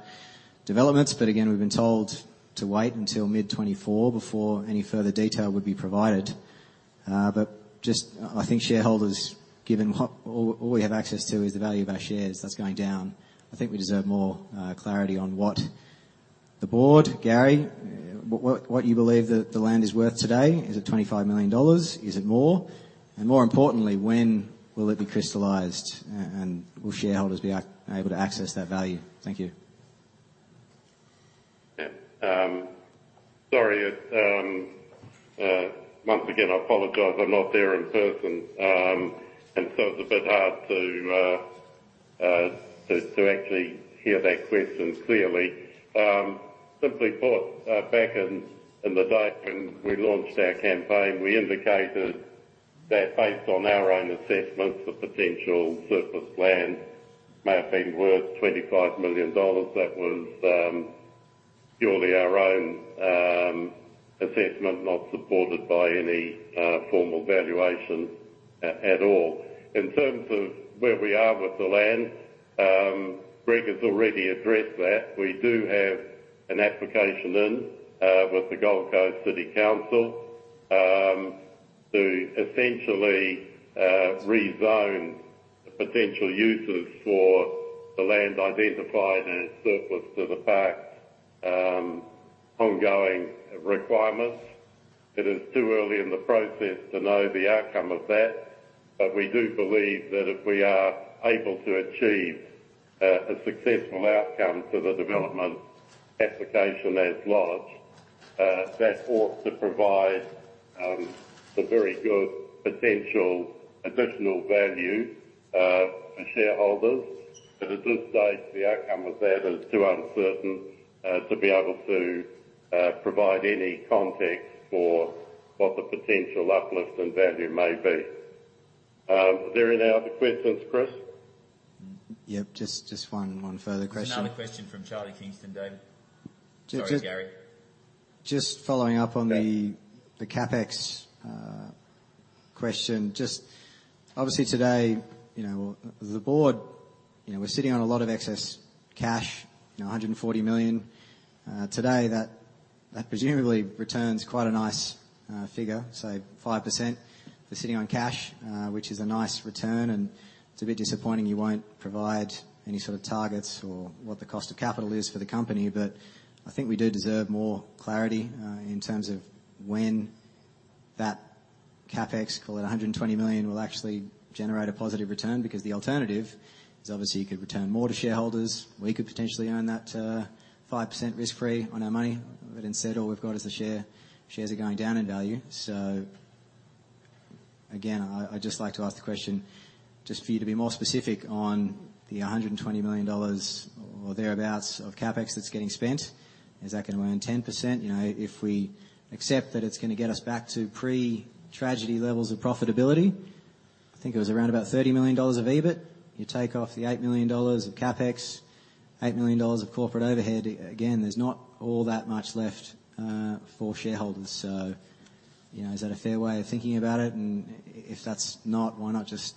developments, but again, we've been told to wait until mid-2024 before any further detail would be provided. But just... I think shareholders, given what we have access to is the value of our shares, that's going down. I think we deserve more clarity on what the board, Gary, what you believe the land is worth today. Is it 25 million dollars? Is it more? And more importantly, when will it be crystallized? And will shareholders be able to access that value? Thank you. Yeah, sorry, once again, I apologize. I'm not there in person, and so it's a bit hard to actually hear that question clearly. Simply put, back in the day when we launched our campaign, we indicated that based on our own assessments, the potential surplus land may have been worth 25 million dollars. That was purely our own assessment, not supported by any formal valuation at all. In terms of where we are with the land, Greg has already addressed that. We do have an application in with the Gold Coast City Council to essentially rezone the potential uses for the land identified as surplus to the park ongoing requirements. It is too early in the process to know the outcome of that, but we do believe that if we are able to achieve a successful outcome to the development application as lodged, that ought to provide some very good potential additional value for shareholders. But at this stage, the outcome of that is too uncertain to be able to provide any context for what the potential uplift in value may be. Are there any other questions, Chris? Yep, just one further question. There's another question from Charlie Kingston, Dave. Just- Sorry, Gary. Just following up on the- Yeah.... the CapEx question. Just obviously today, you know, the board, you know, we're sitting on a lot of excess cash, you know, 140 million. Today, that, that presumably returns quite a nice figure, say 5%. We're sitting on cash, which is a nice return, and it's a bit disappointing you won't provide any sort of targets or what the cost of capital is for the company. But I think we do deserve more clarity in terms of when that CapEx, call it 120 million, will actually generate a positive return, because the alternative is obviously you could return more to shareholders. We could potentially earn that 5% risk-free on our money, but instead, all we've got is the share. Shares are going down in value. So again, I'd just like to ask the question, just for you to be more specific on the 120 million dollars or thereabout of CapEx that's getting spent. Is that gonna earn 10%? You know, if we accept that it's gonna get us back to pre-tragedy levels of profitability, I think it was around about 30 million dollars of EBIT. You take off the 8 million dollars of CapEx, 8 million dollars of corporate overhead, again, there's not all that much left, for shareholders. So, you know, is that a fair way of thinking about it? And if that's not, why not just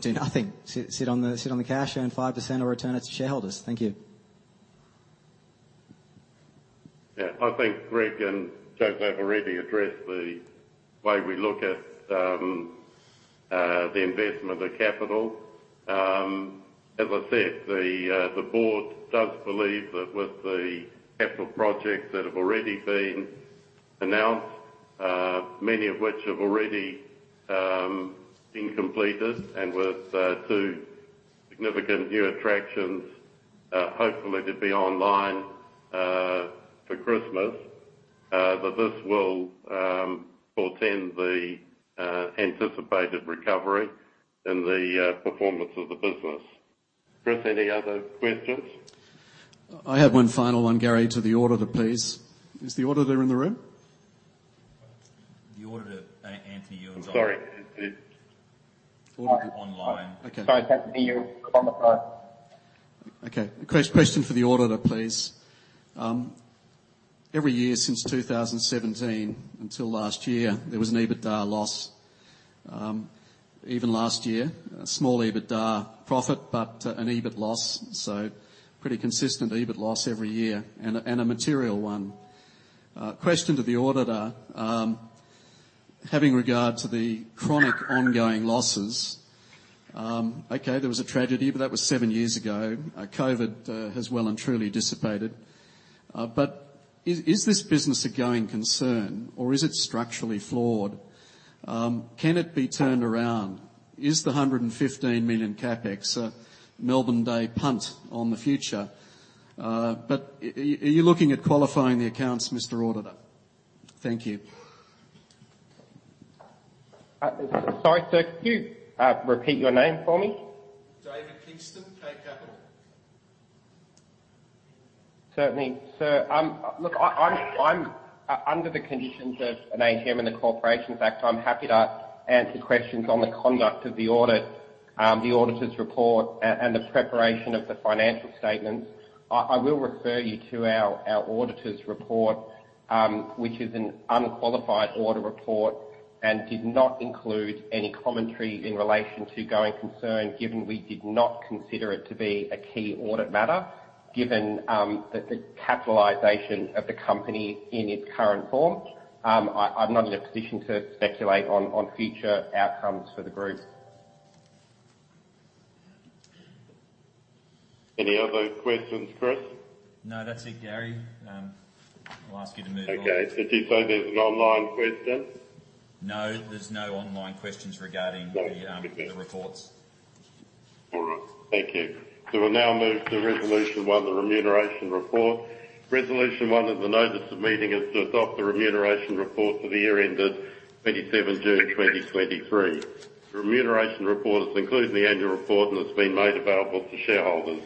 do nothing? Sit, sit on the, sit on the cash, earn 5%, or return it to shareholders. Thank you. Yeah. I think Greg and José have already addressed the way we look at the investment of capital. As I said, the board does believe that with the capital projects that have already been announced, many of which have already been completed, and with two significant new attractions, hopefully to be online for Christmas, that this will portend the anticipated recovery in the performance of the business. Chris, any other questions? I have one final one, Gary, to the auditor, please. Is the auditor in the room? The auditor, Anthony, you are on- I'm sorry, is- Auditor online. Okay. Sorry, can you on the phone? Okay. Question for the auditor, please. Every year since 2017 until last year, there was an EBITDA loss. Even last year, a small EBITDA profit, but an EBIT loss, so pretty consistent EBIT loss every year and a material one. Question to the auditor: having regard to the chronic ongoing losses, okay, there was a tragedy, but that was seven years ago. COVID has well and truly dissipated. But is this business a going concern or is it structurally flawed? Can it be turned around? Is the 115 million CapEx a Melbourne day punt on the future? But are you looking at qualifying the accounts, Mr. Auditor? Thank you. Sorry, sir. Could you repeat your name for me? David Kingston, K Capital. Certainly, sir. Look, I'm under the conditions of an AGM and the Corporations Act, I'm happy to answer questions on the conduct of the audit, the auditor's report, and the preparation of the financial statements. I will refer you to our auditor's report, which is an unqualified audit report and did not include any commentary in relation to going concern, given we did not consider it to be a key audit matter, given the capitalization of the company in its current form. I'm not in a position to speculate on future outcomes for the group. Any other questions, Chris? No, that's it, Gary. I'll ask you to move on. Okay. Did you say there's an online question? No, there's no online questions regarding the, Right. -the reports. All right, thank you. We'll now move to Resolution 1, the Remuneration Report. Resolution 1 of the Notice of Meeting is to adopt the Remuneration Report for the year ended 27 June 2023. The Remuneration Report is included in the annual report, and it's been made available to shareholders.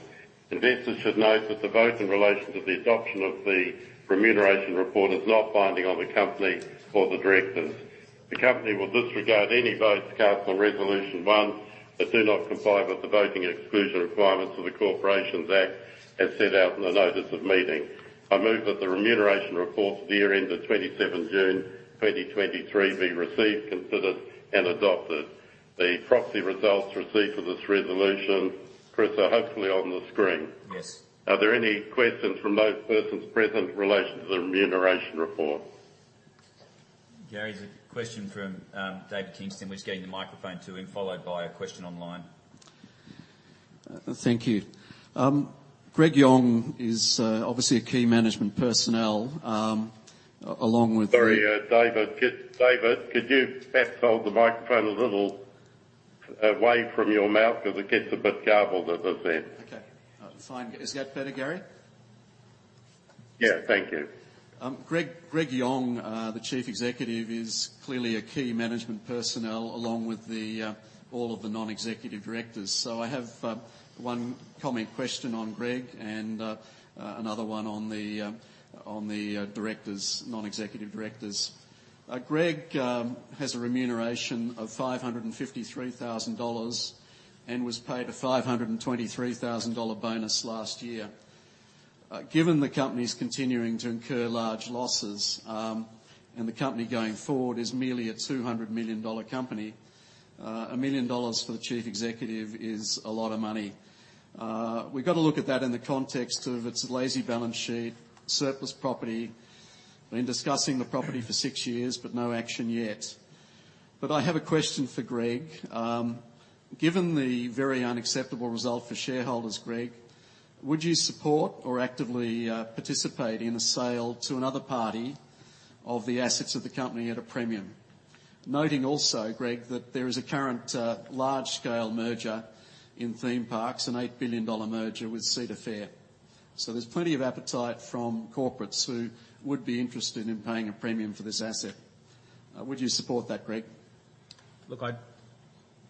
Investors should note that the vote in relation to the adoption of the Remuneration Report is not binding on the company or the directors. The company will disregard any votes cast on Resolution 1 that do not comply with the voting exclusion requirements of the Corporations Act, as set out in the Notice of Meeting. I move that the Remuneration Report for the year ended 27 June 2023 be received, considered, and adopted. The proxy results received for this resolution, Chris, are hopefully on the screen. Yes. Are there any questions from those persons present in relation to the Remuneration Report? Gary, there's a question from David Kingston. We're just getting the microphone to him, followed by a question online. Thank you. Greg Yong is obviously a key management personnel, along with- Sorry, David. Just, David, could you perhaps hold the microphone a little away from your mouth? 'Cause it gets a bit garbled at the end. Okay. Fine. Is that better, Gary? Yeah, thank you. Greg, Greg Yong, the Chief Executive, is clearly a key management personnel, along with the, all of the non-executive directors. So I have one comment question on Greg and another one on the, on the directors, non-executive directors. Greg has a remuneration of 553 thousand dollars and was paid a 523 thousand dollar bonus last year. Given the company's continuing to incur large losses, and the company going forward is merely a 200 million dollar company, a 1 million dollars for the chief executive is a lot of money. We've got to look at that in the context of its lazy balance sheet, surplus property. Been discussing the property for six years, but no action yet. But I have a question for Greg. Given the very unacceptable result for shareholders, Greg, would you support or actively participate in a sale to another party of the assets of the company at a premium? Noting also, Greg, that there is a current large-scale merger in theme parks, an $8 billion merger with Cedar Fair. So there's plenty of appetite from corporates who would be interested in paying a premium for this asset. Would you support that, Greg? Look, I...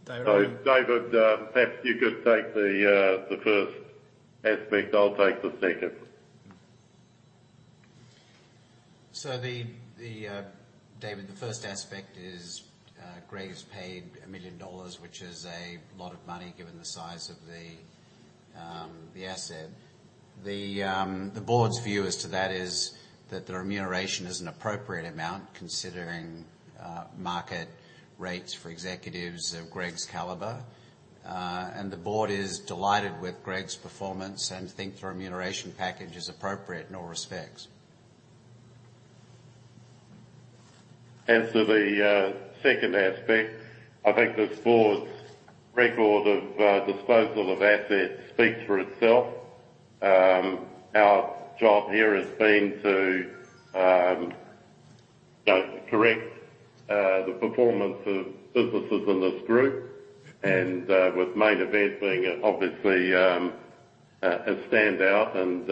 David- So, David, perhaps you could take the first aspect. I'll take the second. So David, the first aspect is, Greg is paid 1 million dollars, which is a lot of money, given the size of the asset. The board's view as to that is that the remuneration is an appropriate amount, considering market rates for executives of Greg's caliber. And the board is delighted with Greg's performance and think the remuneration package is appropriate in all respects. As to the second aspect, I think this board's record of disposal of assets speaks for itself. Our job here has been to, you know, correct the performance of businesses in this group, and with Main Event being obviously a standout and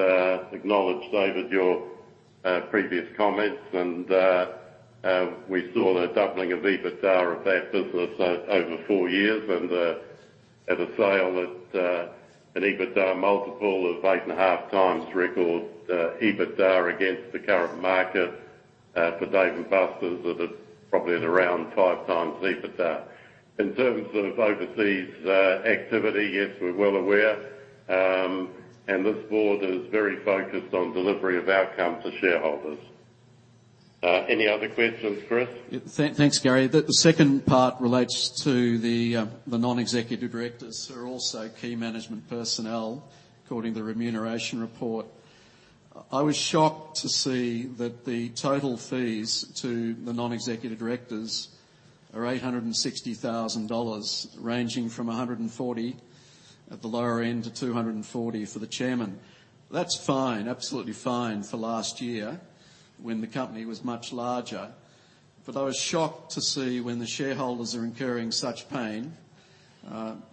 acknowledge, David, your previous comments. And we saw a doubling of EBITDA of that business over four years, and at a sale at an EBITDA multiple of 8.5 times record EBITDA against the current market for Dave & Buster's, that is probably at around five times EBITDA. In terms of overseas activity, yes, we're well aware, and this board is very focused on delivery of outcome to shareholders. Any other questions, Chris? Thanks, Gary. The second part relates to the non-executive directors, who are also key management personnel, according to the Remuneration Report. I was shocked to see that the total fees to the non-executive directors are 860,000 dollars, ranging from 140,000 at the lower end, to 240,000 for the chairman. That's fine, absolutely fine for last year, when the company was much larger. But I was shocked to see when the shareholders are incurring such pain,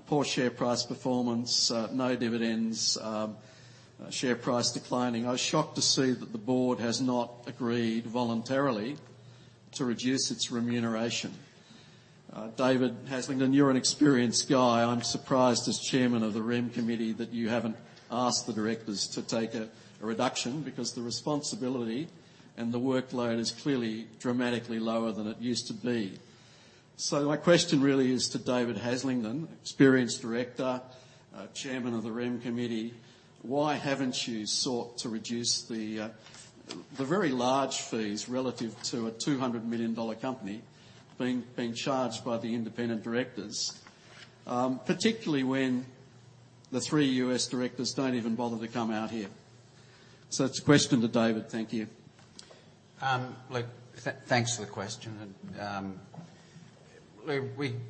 poor share price performance, no dividends, share price declining. I was shocked to see that the board has not agreed voluntarily to reduce its remuneration. David Haslingden, you're an experienced guy. I'm surprised, as chairman of the Rem committee, that you haven't asked the directors to take a reduction, because the responsibility and the workload is clearly dramatically lower than it used to be. So my question really is to David Haslingden, experienced director, chairman of the Rem committee, why haven't you sought to reduce the, the very large fees relative to an 200 million dollar company being charged by the independent directors? Particularly when the three U.S. directors don't even bother to come out here. So it's a question to David. Thank you. Look, thanks for the question, and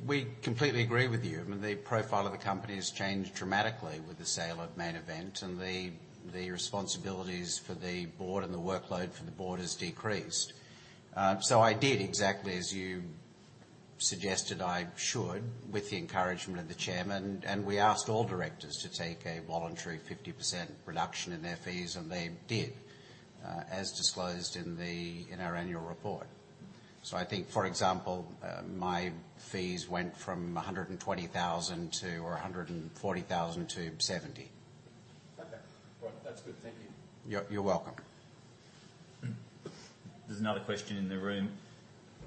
we completely agree with you. I mean, the profile of the company has changed dramatically with the sale of Main Event, and the responsibilities for the board and the workload for the board has decreased. So I did exactly as you suggested I should, with the encouragement of the chairman, and we asked all directors to take a voluntary 50% reduction in their fees, and they did, as disclosed in our annual report. So I think, for example, my fees went from 120,000 to or 140,000 to 70,000. Okay. Well, that's good. Thank you. You're welcome. There's another question in the room.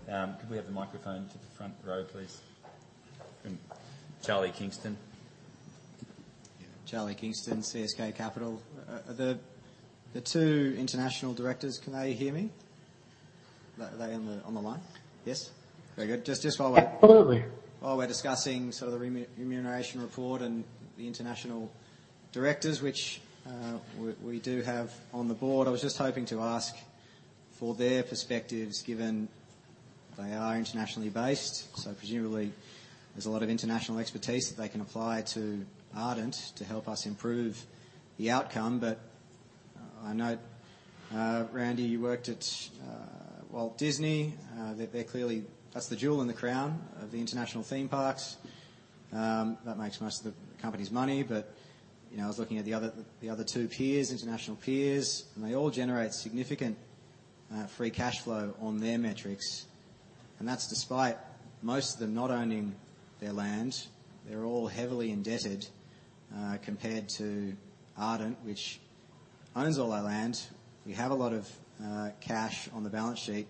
Could we have the microphone to the front row, please? From Charlie Kingston. Charlie Kingston, CSK Capital. The two international directors, can they hear me? Are they on the line? Yes. Very good. Just while we're- Absolutely. While we're discussing the remuneration report and the international directors, which we do have on the board. I was just hoping to ask for their perspectives, given they are internationally based, so presumably there's a lot of international expertise that they can apply to Ardent to help us improve the outcome. But I know, Randy, you worked at Walt Disney. They're clearly... That's the jewel in the crown of the international theme parks. That makes most of the company's money. But, you know, I was looking at the other two peers, international peers, and they all generate significant free cash flow on their metrics, and that's despite most of them not owning their land. They're all heavily indebted compared to Ardent, which owns all our land. We have a lot of cash on the balance sheet,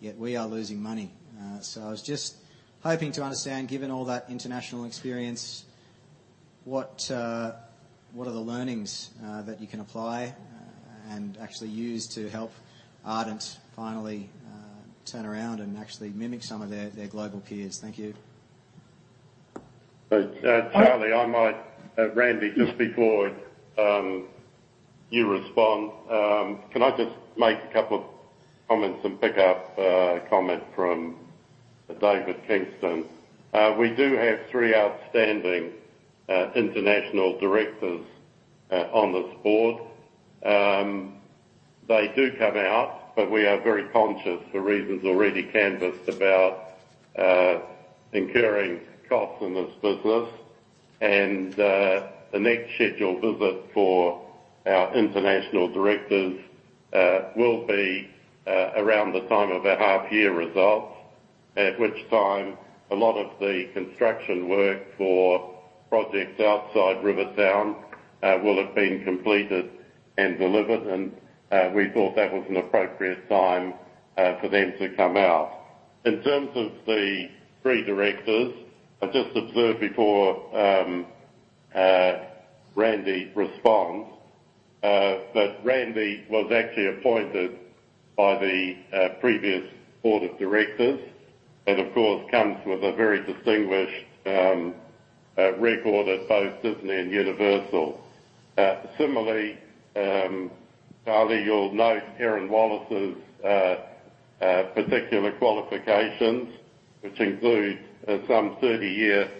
yet we are losing money. So I was just hoping to understand, given all that international experience, what are the learnings that you can apply and actually use to help Ardent finally turn around and actually mimic some of their global peers? Thank you. So, Charlie, I might... Randy, just before you respond, can I just make a couple of comments and pick up a comment from David Kingston? We do have three outstanding international directors on this board. They do come out, but we are very conscious, for reasons already canvassed, about incurring costs in this business. And, the next scheduled visit for our international directors will be around the time of our half-year results, at which time a lot of the construction work for projects outside Rivertown will have been completed and delivered, and we thought that was an appropriate time for them to come out. In terms of the three directors, I just observed before Randy responds, that Randy was actually appointed by the previous board of directors and, of course, comes with a very distinguished record at both Disney and Universal. Similarly, Charlie, you'll note Erin Wallace's particular qualifications, which include some thirty-year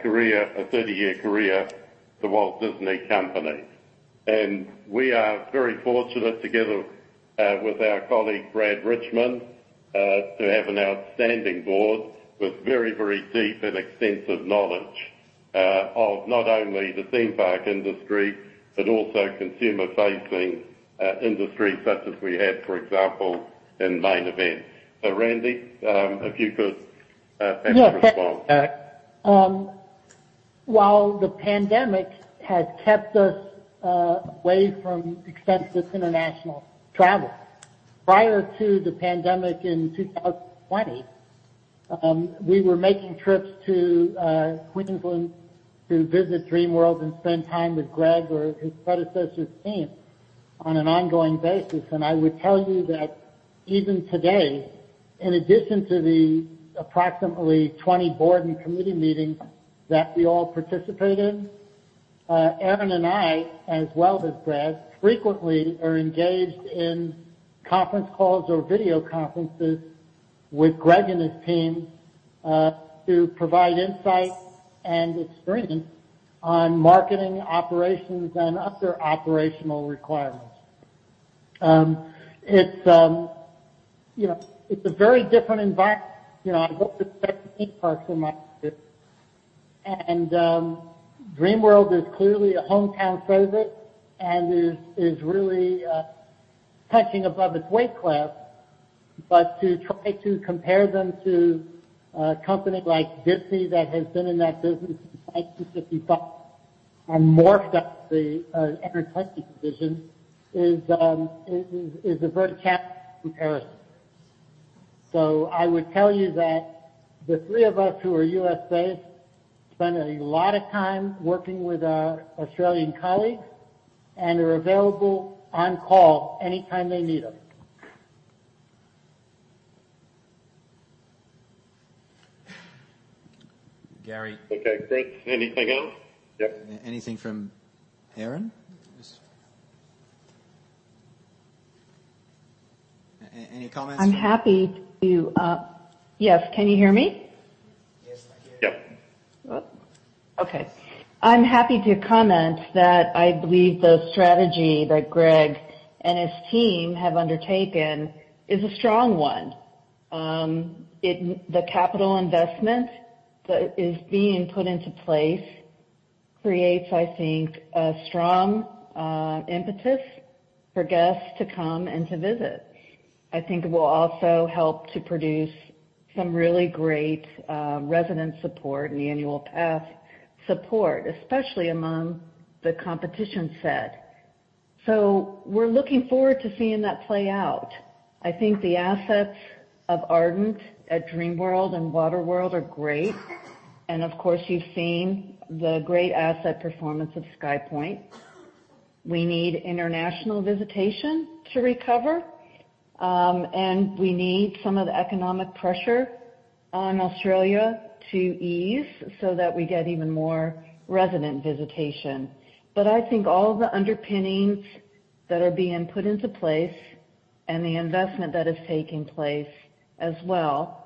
career—a thirty-year career at The Walt Disney Company. And we are very fortunate, together with our colleague, Brad Richmond, to have an outstanding board with very, very deep and extensive knowledge of not only the theme park industry but also consumer-facing industries, such as we have, for example, in Main Event. So, Randy, if you could perhaps respond. Yes, while the pandemic has kept us away from extensive international travel, prior to the pandemic in 2020, we were making trips to Queensland to visit Dreamworld and spend time with Greg or his predecessor's team on an ongoing basis. And I would tell you that even today, in addition to the approximately 20 board and committee meetings that we all participate in, Erin and I, as well as Brad, frequently are engaged in conference calls or video conferences with Greg and his team to provide insight and experience on marketing, operations, and other operational requirements. It's, you know, it's a very different environment, you know, I hope to expect theme parks in my visit, and Dreamworld is clearly a hometown favorite and is really punching above its weight class. But to try to compare them to a company like Disney that has been in that business since 1955 and morphed up the entertainment division is a very tough comparison. So I would tell you that the three of us who are USA spend a lot of time working with our Australian colleagues and are available on call anytime they need us. Gary? Okay, great. Anything else? Yep. Anything from Erin? Yes. Any comments? I'm happy to. Yes, can you hear me? Yes, I can. Yep. Okay. I'm happy to comment that I believe the strategy that Greg and his team have undertaken is a strong one. The capital investment that is being put into place creates, I think, a strong impetus for guests to come and to visit. I think it will also help to produce some really great resident support and annual pass support, especially among the competition set. So we're looking forward to seeing that play out. I think the assets of Ardent at Dreamworld and WhiteWater World are great, and of course, you've seen the great asset performance of SkyPoint. We need international visitation to recover, and we need some of the economic pressure on Australia to ease so that we get even more resident visitation. But I think all of the underpinnings that are being put into place and the investment that is taking place as well, as long,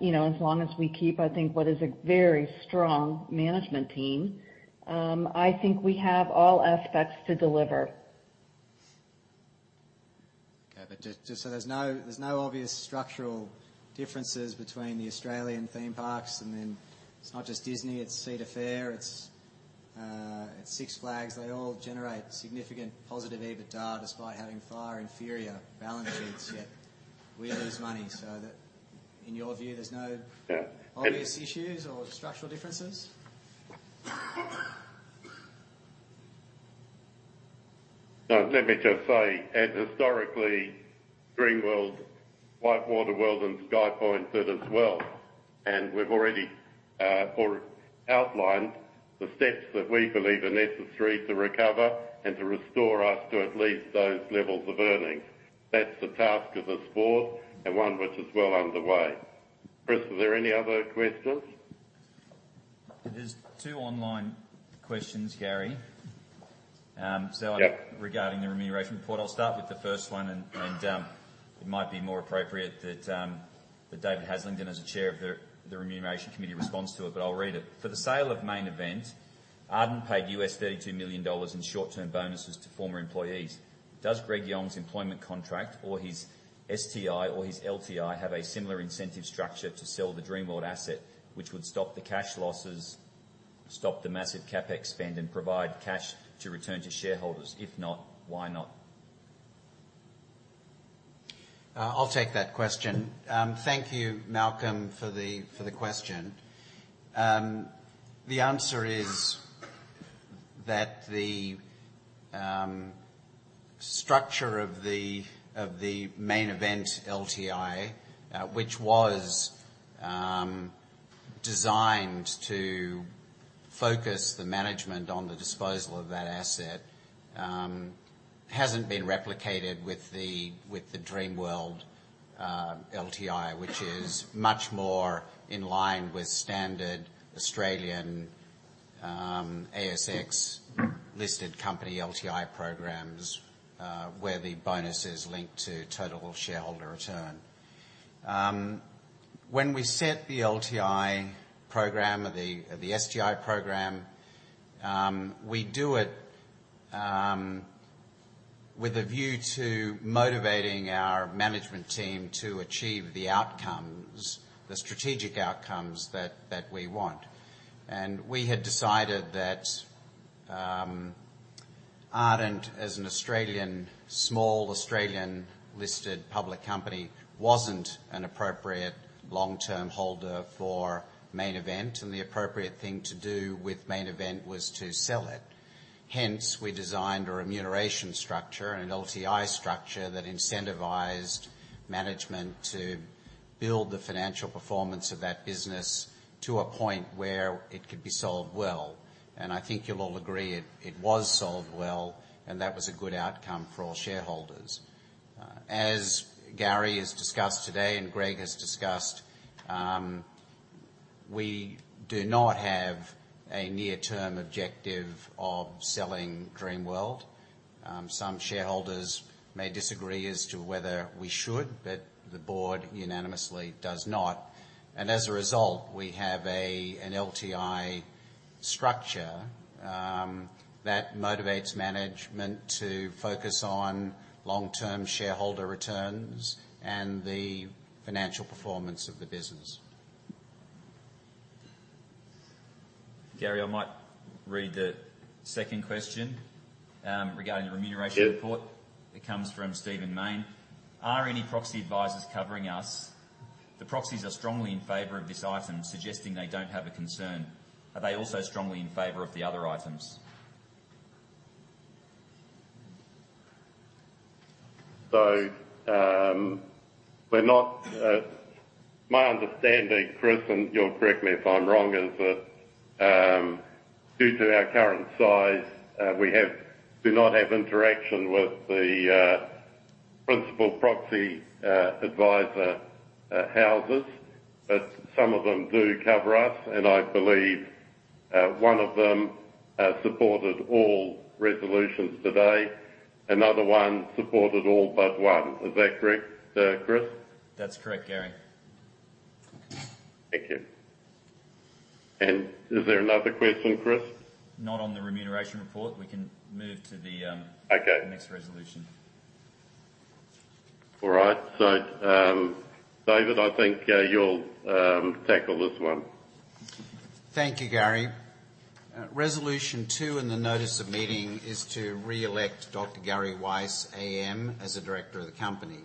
you know, as long as we keep, I think, what is a very strong management team, I think we have all aspects to deliver. Okay, but just so there's no obvious structural differences between the Australian theme parks, and then it's not just Disney, it's Cedar Fair, it's Six Flags. They all generate significant positive EBITDA, despite having far inferior balance sheets, yet we lose money. So that, in your view, there's no- Yeah, and- Obvious issues or structural differences? No, let me just say, and historically, Dreamworld, WhiteWater World, and SkyPoint did as well, and we've already, or outlined the steps that we believe are necessary to recover and to restore us to at least those levels of earnings. That's the task of this board and one which is well underway. Chris, are there any other questions? There's two online questions, Gary. Yeah. Regarding the remuneration report. I'll start with the first one, and it might be more appropriate that David Haslingden, as the chair of the Remuneration Committee, responds to it, but I'll read it. "For the sale of Main Event, Ardent paid $32 million in short-term bonuses to former employees. Does Greg Yong's employment contract or his STI or his LTI have a similar incentive structure to sell the Dreamworld asset, which would stop the cash losses, stop the massive CapEx spend, and provide cash to return to shareholders? If not, why not? I'll take that question. Thank you, Malcolm, for the question. The answer is that the structure of the Main Event LTI, which was designed to focus the management on the disposal of that asset, hasn't been replicated with the Dreamworld LTI, which is much more in line with standard Australian ASX-listed company LTI programs, where the bonus is linked to total shareholder return. When we set the LTI program or the STI program, we do it with a view to motivating our management team to achieve the outcomes, the strategic outcomes that we want. We had decided that Ardent, as a small Australian-listed public company, wasn't an appropriate long-term holder for Main Event, and the appropriate thing to do with Main Event was to sell it. Hence, we designed a remuneration structure and an LTI structure that incentivized management to build the financial performance of that business to a point where it could be sold well. I think you'll all agree it was sold well, and that was a good outcome for all shareholders. As Gary has discussed today and Greg has discussed, we do not have a near-term objective of selling Dreamworld. Some shareholders may disagree as to whether we should, but the board unanimously does not. As a result, we have an LTI structure that motivates management to focus on long-term shareholder returns and the financial performance of the business. Gary, I might read the second question, regarding the remuneration report. Yeah. It comes from Stephen Mayne. "Are any proxy advisors covering us? The proxies are strongly in favor of this item, suggesting they don't have a concern. Are they also strongly in favor of the other items? My understanding, Chris, and you'll correct me if I'm wrong, is that due to our current size, we do not have interaction with the principal proxy advisor houses, but some of them do cover us, and I believe one of them supported all resolutions today. Another one supported all but one. Is that correct, Chris? That's correct, Gary. Thank you. And is there another question, Chris? Not on the remuneration report. We can move to the- Okay. the next resolution. All right. So, David, I think, you'll tackle this one. Thank you, Gary. Resolution Two in the notice of meeting is to re-elect Dr. Gary Weiss AM as a director of the company.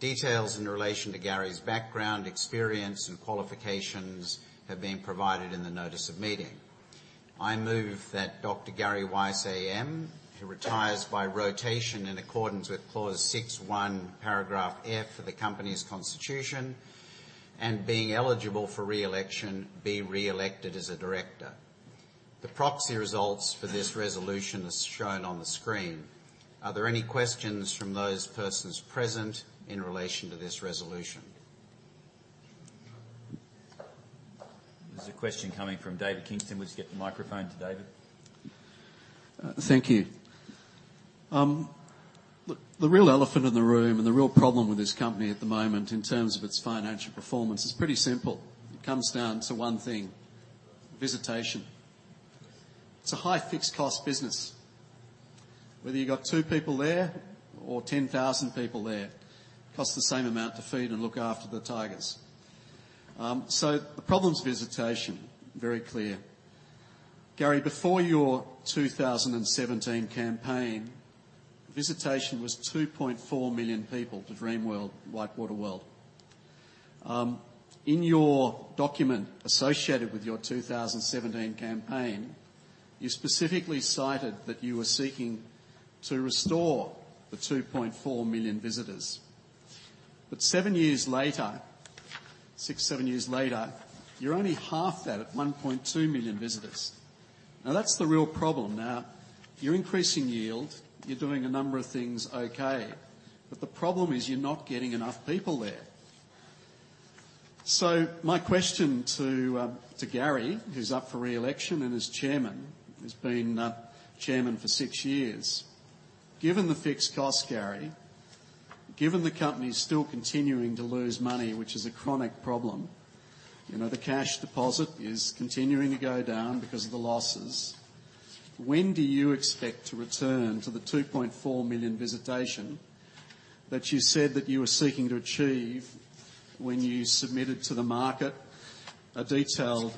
Details in relation to Gary's background, experience, and qualifications have been provided in the notice of meeting. I move that Dr. Gary Weiss AM, who retires by rotation in accordance with Clause 6, 1, paragraph F of the company's constitution, and being eligible for re-election, be re-elected as a director. The proxy results for this resolution is shown on the screen. Are there any questions from those persons present in relation to this resolution? There's a question coming from David Kingston. Would you get the microphone to David? Thank you. The real elephant in the room and the real problem with this company at the moment, in terms of its financial performance, is pretty simple. It comes down to one thing: visitation. It's a high fixed cost business. Whether you got two people there or 10,000 people there, costs the same amount to feed and look after the tigers. So the problem's visitation. Very clear. Gary, before your 2017 campaign, visitation was 2.4 million people to Dreamworld, WhiteWater World. In your document associated with your 2017 campaign, you specifically cited that you were seeking to restore the 2.4 million visitors. But seven years later, six, seven years later, you're only half that, at 1.2 million visitors. Now, that's the real problem. Now, you're increasing yield, you're doing a number of things okay, but the problem is, you're not getting enough people there. So my question to to Gary, who's up for re-election and is chairman, he's been chairman for six years. Given the fixed cost, Gary, given the company is still continuing to lose money, which is a chronic problem, you know, the cash deposit is continuing to go down because of the losses. When do you expect to return to the 2.4 million visitation that you said that you were seeking to achieve when you submitted to the market a detailed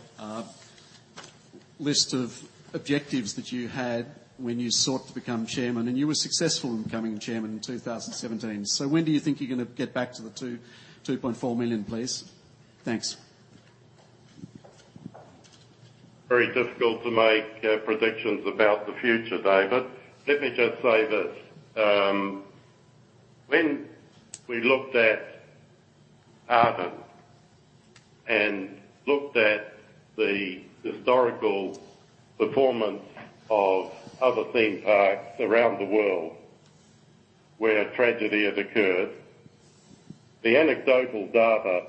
list of objectives that you had when you sought to become chairman? And you were successful in becoming chairman in 2017. So when do you think you're gonna get back to the 2.4 million, please? Thanks. Very difficult to make predictions about the future, David. Let me just say this. When we looked at Ardent and looked at the historical performance of other theme parks around the world where a tragedy had occurred, the anecdotal data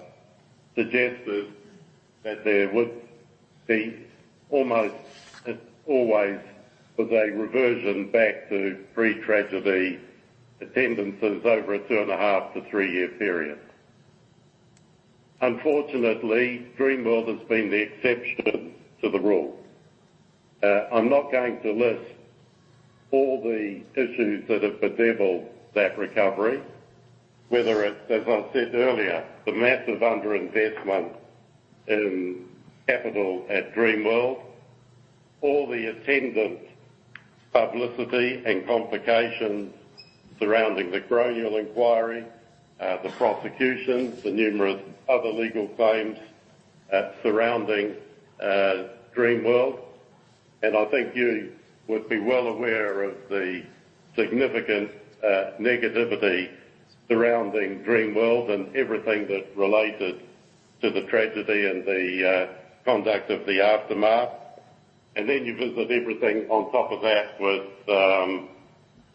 suggested that there would be almost always was a reversion back to pre-tragedy attendances over a 2.5-three-year period. Unfortunately, Dreamworld has been the exception to the rule. I'm not going to list all the issues that have bedeviled that recovery, whether it's, as I said earlier, the massive underinvestment in capital at Dreamworld, or the attendant publicity and complications surrounding the coronial inquiry, the prosecutions, the numerous other legal claims, surrounding Dreamworld. I think you would be well aware of the significant negativity surrounding Dreamworld and everything that related to the tragedy and the conduct of the aftermath. And then you visit everything on top of that with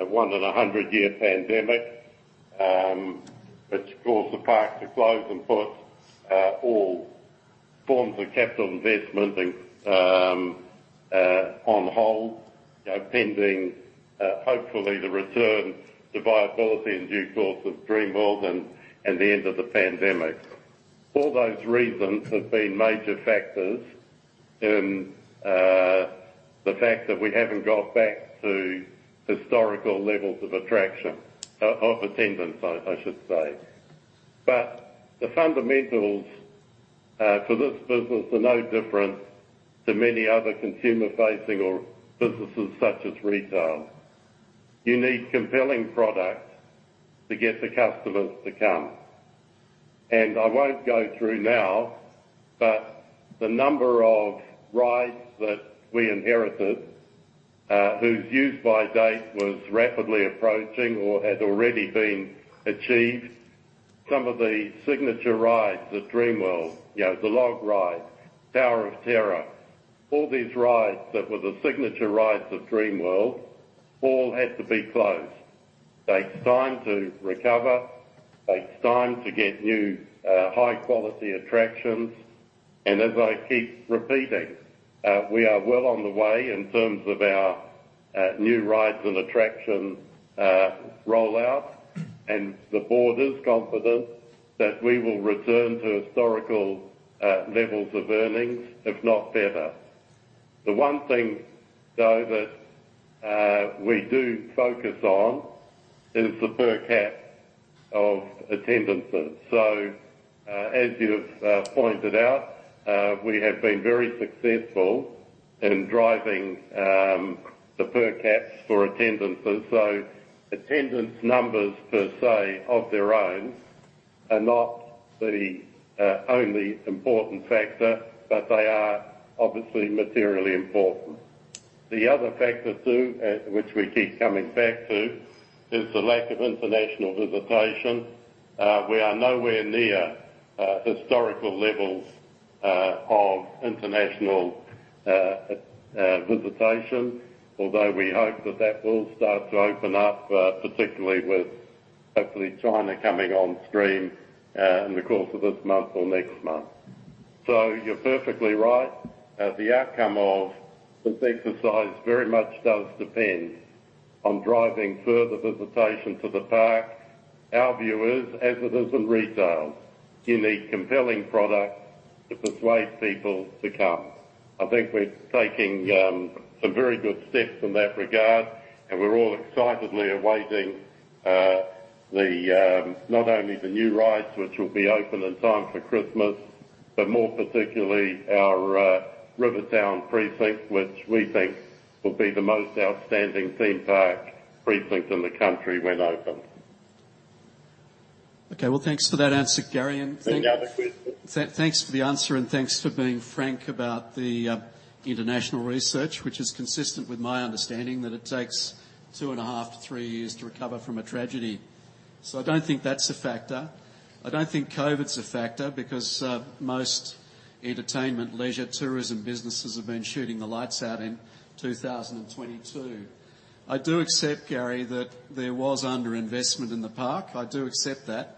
a one in a hundred year pandemic, which caused the park to close and put all forms of capital investment in on hold, you know, pending hopefully the return to viability in due course of Dreamworld and the end of the pandemic. All those reasons have been major factors in the fact that we haven't got back to historical levels of attraction of attendance, I should say. But the fundamentals for this business are no different to many other consumer-facing or businesses such as retail. You need compelling products to get the customers to come. I won't go through now, but the number of rides that we inherited, whose use-by date was rapidly approaching or had already been achieved. Some of the signature rides at Dreamworld, you know, the Log Ride, Tower of Terror, all these rides that were the signature rides of Dreamworld, all had to be closed. Takes time to recover. Takes time to get new high-quality attractions. And as I keep repeating, we are well on the way in terms of our new rides and attraction rollout. And the board is confident that we will return to historical levels of earnings, if not better. The one thing, though, that we do focus on is the per cap of attendances. So, as you've pointed out, we have been very successful in driving the per caps for attendances. So attendance numbers per se of their own are not the only important factor, but they are obviously materially important. The other factor, too, which we keep coming back to, is the lack of international visitation. We are nowhere near historical levels of international visitation. Although we hope that that will start to open up, particularly with hopefully China coming on stream, in the course of this month or next month. So you're perfectly right, the outcome of this exercise very much does depend on driving further visitation to the park. Our view is, as it is in retail, you need compelling products to persuade people to come. I think we're taking some very good steps in that regard, and we're all excitedly awaiting not only the new rides, which will be open in time for Christmas, but more particularly, our Rivertown precinct, which we think will be the most outstanding theme park precinct in the country when open. Okay, well, thanks for that answer, Gary, and thank- Any other questions? Thanks for the answer, and thanks for being frank about the international research, which is consistent with my understanding that it takes 2.5-three years to recover from a tragedy. So I don't think that's a factor. I don't think COVID's a factor, because most entertainment, leisure, tourism businesses have been shooting the lights out in 2022. I do accept, Gary, that there was underinvestment in the park. I do accept that.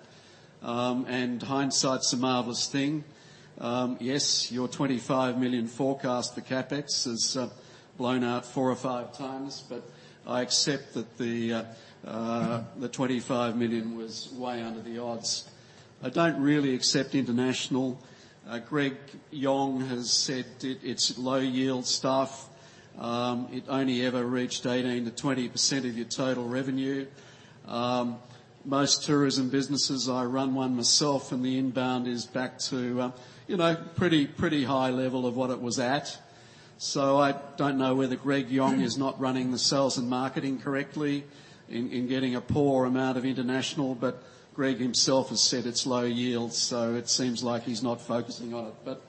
And hindsight's a marvelous thing. Yes, your 25 million forecast for CapEx has blown out four or five times, but I accept that the 25 million was way under the odds. I don't really accept international. Greg Yong has said it, it's low-yield stuff. It only ever reached 18%-20% of your total revenue. Most tourism businesses, I run one myself, and the inbound is back to, you know, pretty, pretty high level of what it was at. So I don't know whether Greg Yong is not running the sales and marketing correctly in, in getting a poor amount of international, but Greg himself has said it's low yield, so it seems like he's not focusing on it. But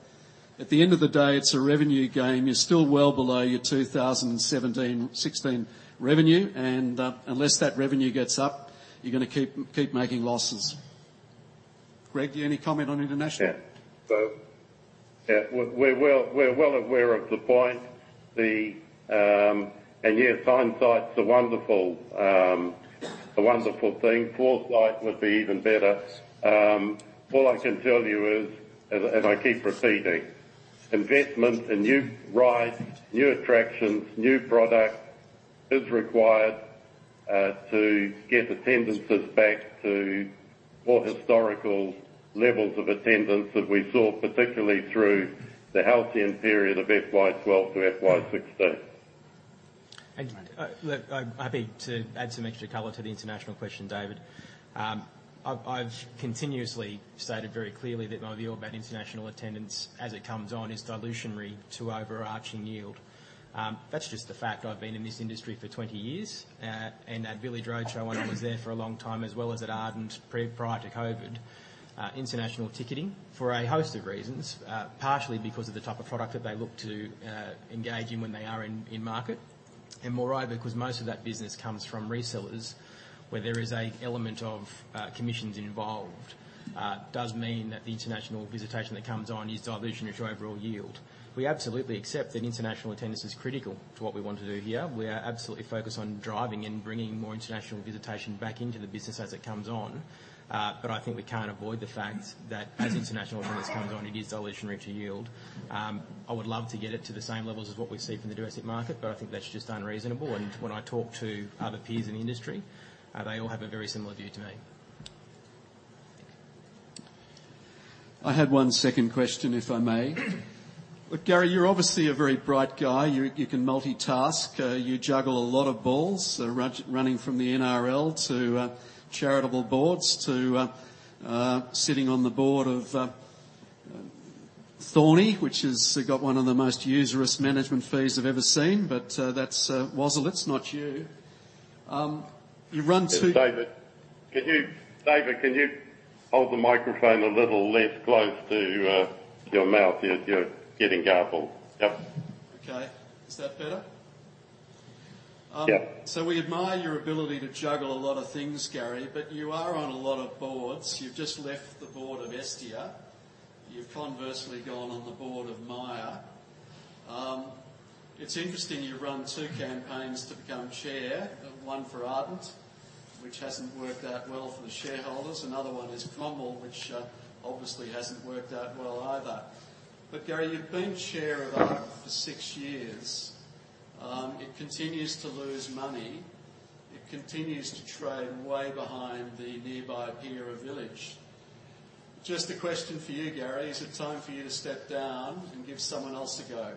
at the end of the day, it's a revenue game. You're still well below your 2017, 2016 revenue, and unless that revenue gets up, you're gonna keep, keep making losses. Greg, any comment on international? Yeah. So, yeah, we're well aware of the point. The-- and, yeah, hindsight's a wonderful thing. Foresight would be even better. All I can tell you is, and I keep repeating, investment in new rides, new attractions, new products, is required to get attendances back to more historical levels of attendance that we saw, particularly through the healthier period of FY 2012 to FY 2016. Look, I'm happy to add some extra color to the international question, David. I've continuously stated very clearly that my view about international attendance as it comes on is dilutionary to overarching yield. That's just a fact. I've been in this industry for 20 years, and at Village Roadshow, when I was there for a long time, as well as at Ardent prior to COVID. International ticketing, for a host of reasons, partially because of the type of product that they look to engage in when they are in market, and moreover, because most of that business comes from resellers, where there is an element of commissions involved, does mean that the international visitation that comes on is dilutionary to overall yield. We absolutely accept that international attendance is critical to what we want to do here. We are absolutely focused on driving and bringing more international visitation back into the business as it comes on. But I think we can't avoid the fact that as international attendance comes on, it is dilutionary to yield. I would love to get it to the same levels as what we see from the domestic market, but I think that's just unreasonable. And when I talk to other peers in the industry, they all have a very similar view to me. I had one second question, if I may. Look, Gary, you're obviously a very bright guy. You can multitask. You juggle a lot of balls, running from the NRL to charitable boards, to sitting on the board of Thorney, which has got one of the most usurious management fees I've ever seen. But that's Waislitz, not you. You run two- David, can you hold the microphone a little less close to your mouth? You're getting garbled. Yep. Okay. Is that better? Yep. So we admire your ability to juggle a lot of things, Gary, but you are on a lot of boards. You've just left the board of Estia. You've conversely gone on the board of Myer. It's interesting, you've run two campaigns to become chair, one for Ardent, which hasn't worked out well for the shareholders. Another one is Cromwell, which, obviously hasn't worked out well either. But Gary, you've been chair of Ardent for six years. It continues to lose money. It continues to trade way behind the nearby Village Roadshow. Just a question for you, Gary: is it time for you to step down and give someone else a go?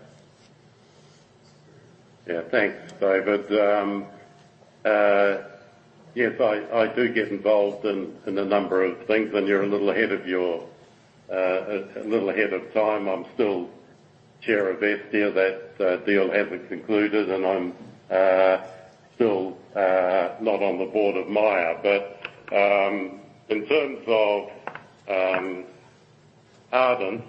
Yeah. Thanks, David. Yes, I, I do get involved in, in a number of things, and you're a little ahead of your, a little ahead of time. I'm still chair of Estia. That deal hasn't concluded, and I'm still not on the board of Myer. But in terms of Ardent,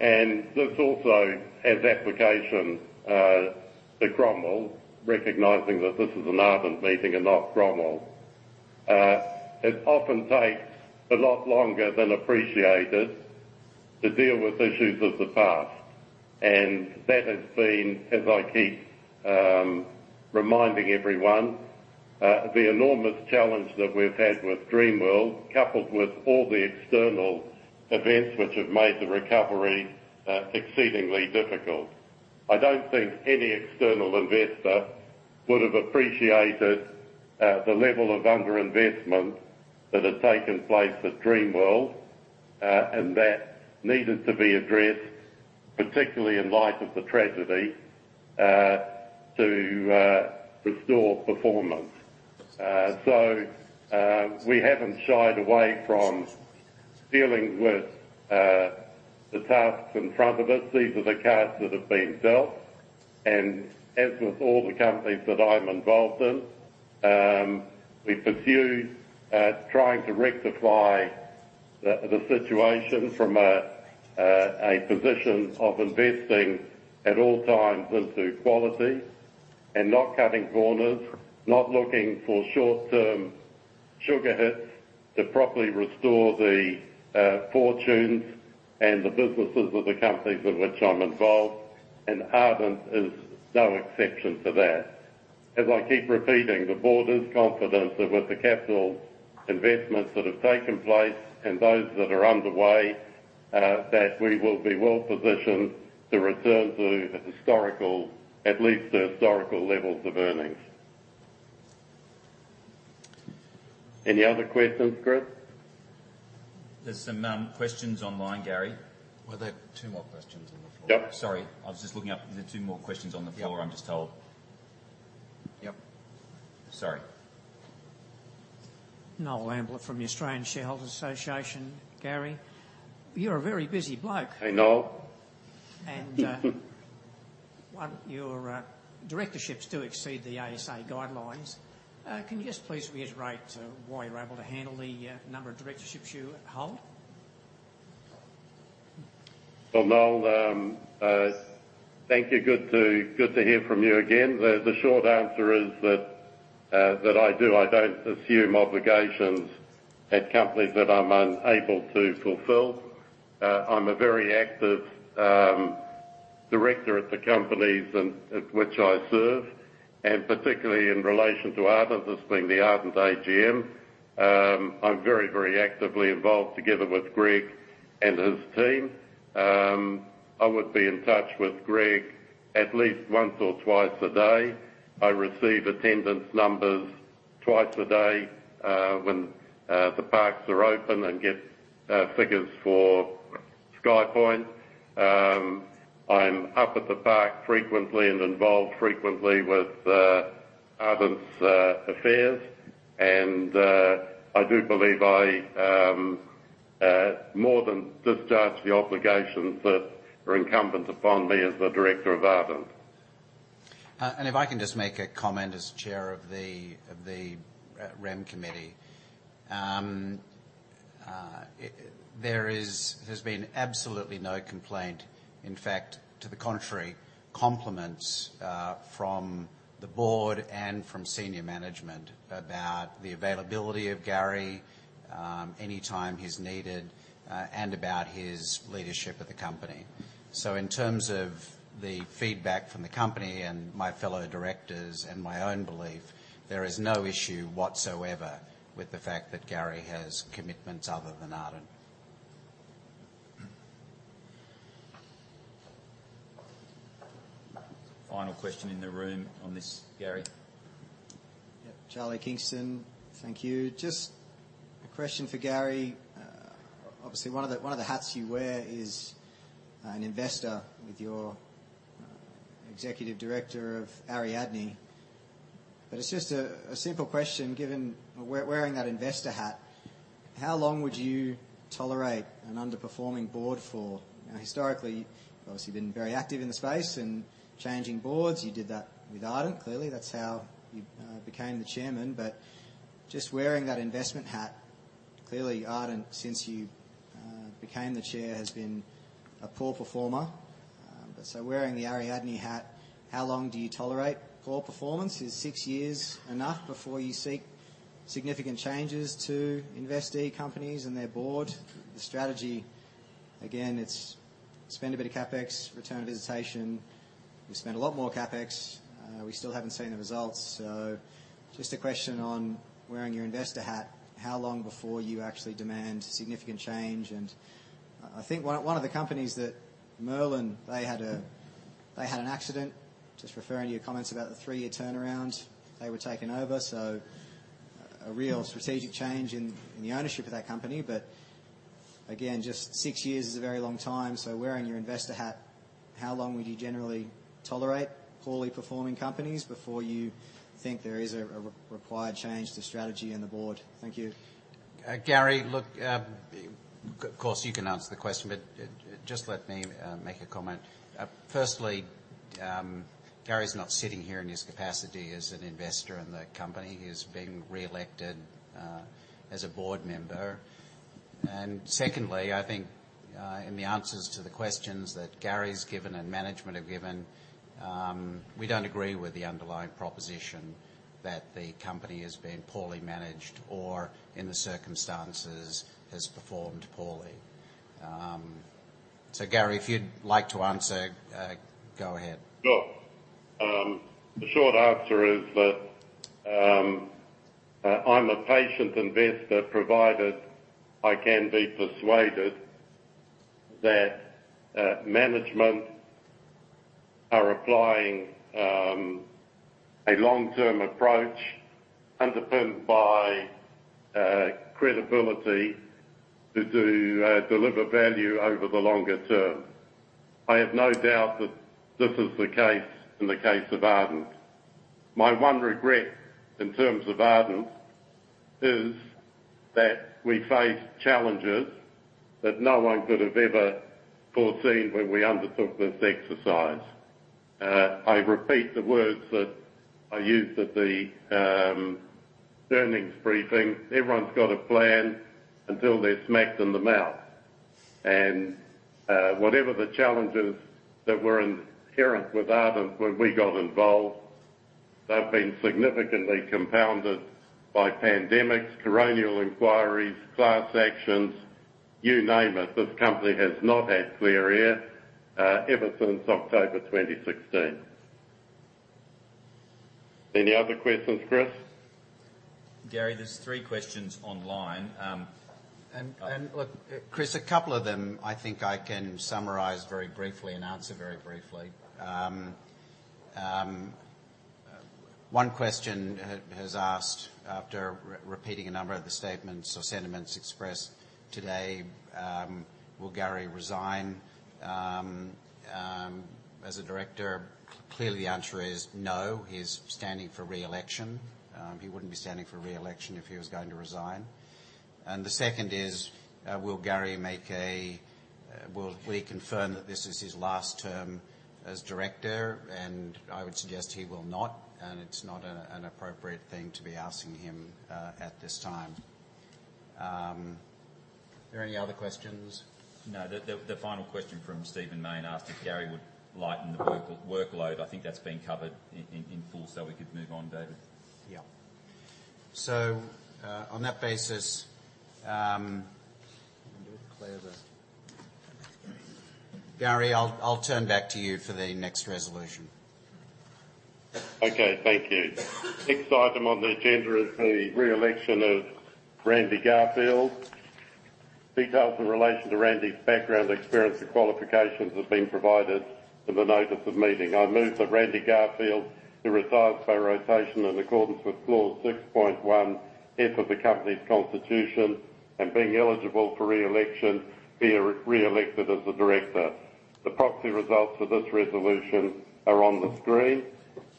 and this also has application to Cromwell, recognizing that this is an Ardent meeting and not Cromwell. It often takes a lot longer than appreciated to deal with issues of the past, and that has been, as I keep reminding everyone, the enormous challenge that we've had with Dreamworld, coupled with all the external events which have made the recovery exceedingly difficult. I don't think any external investor would have appreciated the level of underinvestment that had taken place at Dreamworld, and that needed to be addressed, particularly in light of the tragedy, to restore performance. So, we haven't shied away from dealing with the tasks in front of us. These are the cards that have been dealt, and as with all the companies that I'm involved in, we pursue trying to rectify the situation from a position of investing at all times into quality and not cutting corners, not looking for short-term sugar hits to properly restore the fortunes and the businesses of the companies in which I'm involved, and Ardent is no exception to that. As I keep repeating, the board is confident that with the capital investments that have taken place and those that are underway, that we will be well positioned to return to the historical, at least the historical levels of earnings. Any other questions, Chris? There's some questions online, Gary. Well, there are two more questions on the floor. Yep. Sorry. I was just looking up. There are two more questions on the floor, I'm just told. Yep. Sorry. Noel Ambler from the Australian Shareholders Association. Gary, you're a very busy bloke. I know. And, one, your directorships do exceed the ASA guidelines. Can you just please reiterate why you're able to handle the number of directorships you hold? Well, Noel, thank you. Good to hear from you again. The short answer is that I do. I don't assume obligations at companies that I'm unable to fulfill. I'm a very active director at the companies at which I serve, and particularly in relation to Ardent, this being the Ardent AGM. I'm very, very actively involved together with Greg and his team. I would be in touch with Greg at least once or twice a day. I receive attendance numbers twice a day, when the parks are open and get figures for SkyPoint. I'm up at the park frequently and involved frequently with Ardent's affairs, and I do believe I more than discharge the obligations that are incumbent upon me as the director of Ardent. And if I can just make a comment as chair of the REM committee. There has been absolutely no complaint, in fact, to the contrary, compliments from the board and from senior management about the availability of Gary anytime he's needed and about his leadership of the company. So in terms of the feedback from the company and my fellow directors and my own belief, there is no issue whatsoever with the fact that Gary has commitments other than Ardent. Final question in the room on this, Gary. Yep. Charlie Kingston. Thank you. Just a question for Gary. Obviously, one of the hats you wear is an investor with your executive director of Ariadne. But it's just a simple question, given we're wearing that investor hat, how long would you tolerate an underperforming board for? Historically, you've obviously been very active in the space in changing boards. You did that with Ardent. Clearly, that's how you became the chairman. But just wearing that investment hat, clearly, Ardent, since you became the chair, has been a poor performer. But so wearing the Ariadne hat, how long do you tolerate poor performance? Is six years enough before you seek-... significant changes to investee companies and their board. The strategy, again, it's spend a bit of CapEx, return visitation. We spend a lot more CapEx, we still haven't seen the results. So just a question on wearing your investor hat, how long before you actually demand significant change? And I think one of the companies that Merlin, they had a, they had an accident. Just referring to your comments about the three-year turnaround. They were taken over, so a real strategic change in the ownership of that company. But again, just six years is a very long time. So wearing your investor hat, how long would you generally tolerate poorly performing companies before you think there is a required change to strategy and the board? Thank you. Gary, look, of course, you can answer the question, but just let me make a comment. Firstly, Gary's not sitting here in his capacity as an investor in the company. He's been reelected as a board member. Secondly, I think in the answers to the questions that Gary's given and management have given, we don't agree with the underlying proposition that the company has been poorly managed or in the circumstances, has performed poorly. So Gary, if you'd like to answer, go ahead. Look, the short answer is that, I'm a patient investor, provided I can be persuaded that, management are applying, a long-term approach, underpinned by, credibility to, to, deliver value over the longer term. I have no doubt that this is the case in the case of Ardent. My one regret in terms of Ardent is that we face challenges that no one could have ever foreseen when we undertook this exercise. I repeat the words that I used at the, earnings briefing: Everyone's got a plan until they're smacked in the mouth. And, whatever the challenges that were inherent with Ardent when we got involved, they've been significantly compounded by pandemics, coronial inquiries, class actions, you name it. This company has not had clear air, ever since October 2016. Any other questions, Chris? Gary, there's three questions online. Look, Chris, a couple of them I think I can summarize very briefly and answer very briefly. One question has asked, after repeating a number of the statements or sentiments expressed today: Will Gary resign as a director? Clearly, the answer is no. He is standing for re-election. He wouldn't be standing for re-election if he was going to resign. And the second is: Will Gary make a will he confirm that this is his last term as director? And I would suggest he will not, and it's not an appropriate thing to be asking him at this time. Are there any other questions? No. The final question from Stephen Mayne asked if Gary would lighten the workload. I think that's been covered in full, so we could move on, David. Yeah. So, on that basis, let me clear the... Gary, I'll, I'll turn back to you for the next resolution. Okay, thank you. Next item on the agenda is the re-election of Randy Garfield. Details in relation to Randy's background, experience, and qualifications have been provided in the notice of meeting. I move that Randy Garfield, who retires by rotation in accordance with clause 6.1 F of the company's constitution and being eligible for re-election, be re-elected as a director. The proxy results for this resolution are on the screen.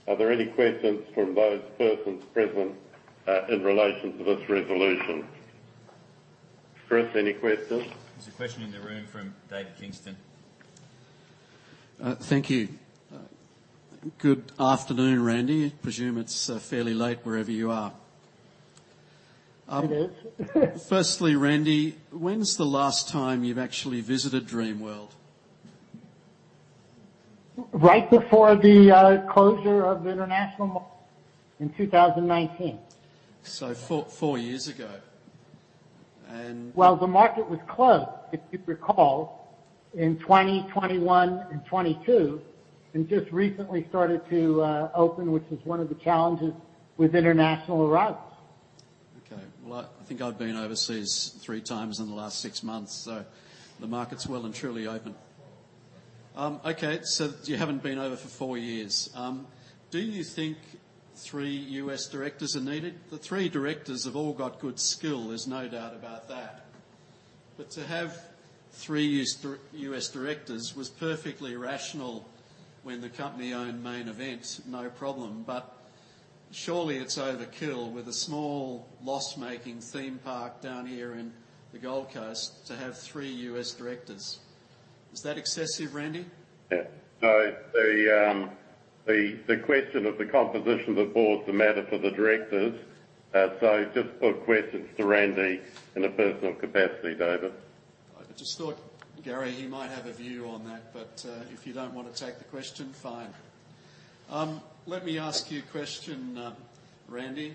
Are there any questions from those persons present, in relation to this resolution? Chris, any questions? There's a question in the room from David Kingston. Thank you. Good afternoon, Randy. I presume it's fairly late wherever you are. It is. Firstly, Randy, when's the last time you've actually visited Dreamworld? Right before the closure of the international mall in 2019. Four, four years ago. And- Well, the market was closed, if you recall, in 2021 and 2022, and just recently started to open, which is one of the challenges with international arrivals. Okay. Well, I think I've been overseas three times in the last six months, so the market's well and truly open. Okay, so you haven't been over for four years. Do you think three U.S. directors are needed? The three directors have all got good skill, there's no doubt about that. But to have three U.S., U.S. directors was perfectly rational when the company owned Main Event, no problem. But surely it's overkill with a small loss-making theme park down here in the Gold Coast to have three U.S. directors. Is that excessive, Randy? Yeah. So the question of the composition of the board is a matter for the directors. So just put questions to Randy in a personal capacity, David. I just thought, Gary, he might have a view on that, but if you don't want to take the question, fine. Let me ask you a question, Randy.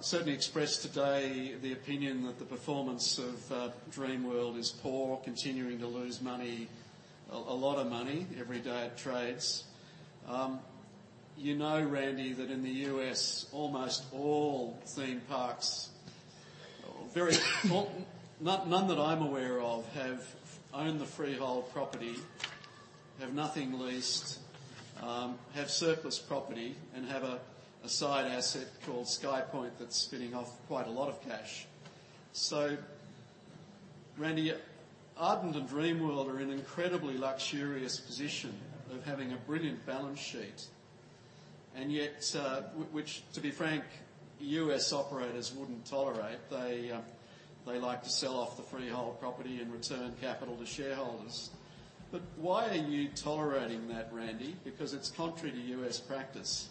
Certainly expressed today the opinion that the performance of Dreamworld is poor, continuing to lose money, a lot of money every day it trades. You know, Randy, that in the US, almost all theme parks, well, none, none that I'm aware of have owned the freehold property, have nothing leased, have surplus property, and have a side asset called SkyPoint that's spinning off quite a lot of cash. So Randy, Ardent and Dreamworld are in an incredibly luxurious position of having a brilliant balance sheet, and yet, which, to be frank, US operators wouldn't tolerate. They, they like to sell off the freehold property and return capital to shareholders. But why are you tolerating that, Randy? Because it's contrary to U.S. practice.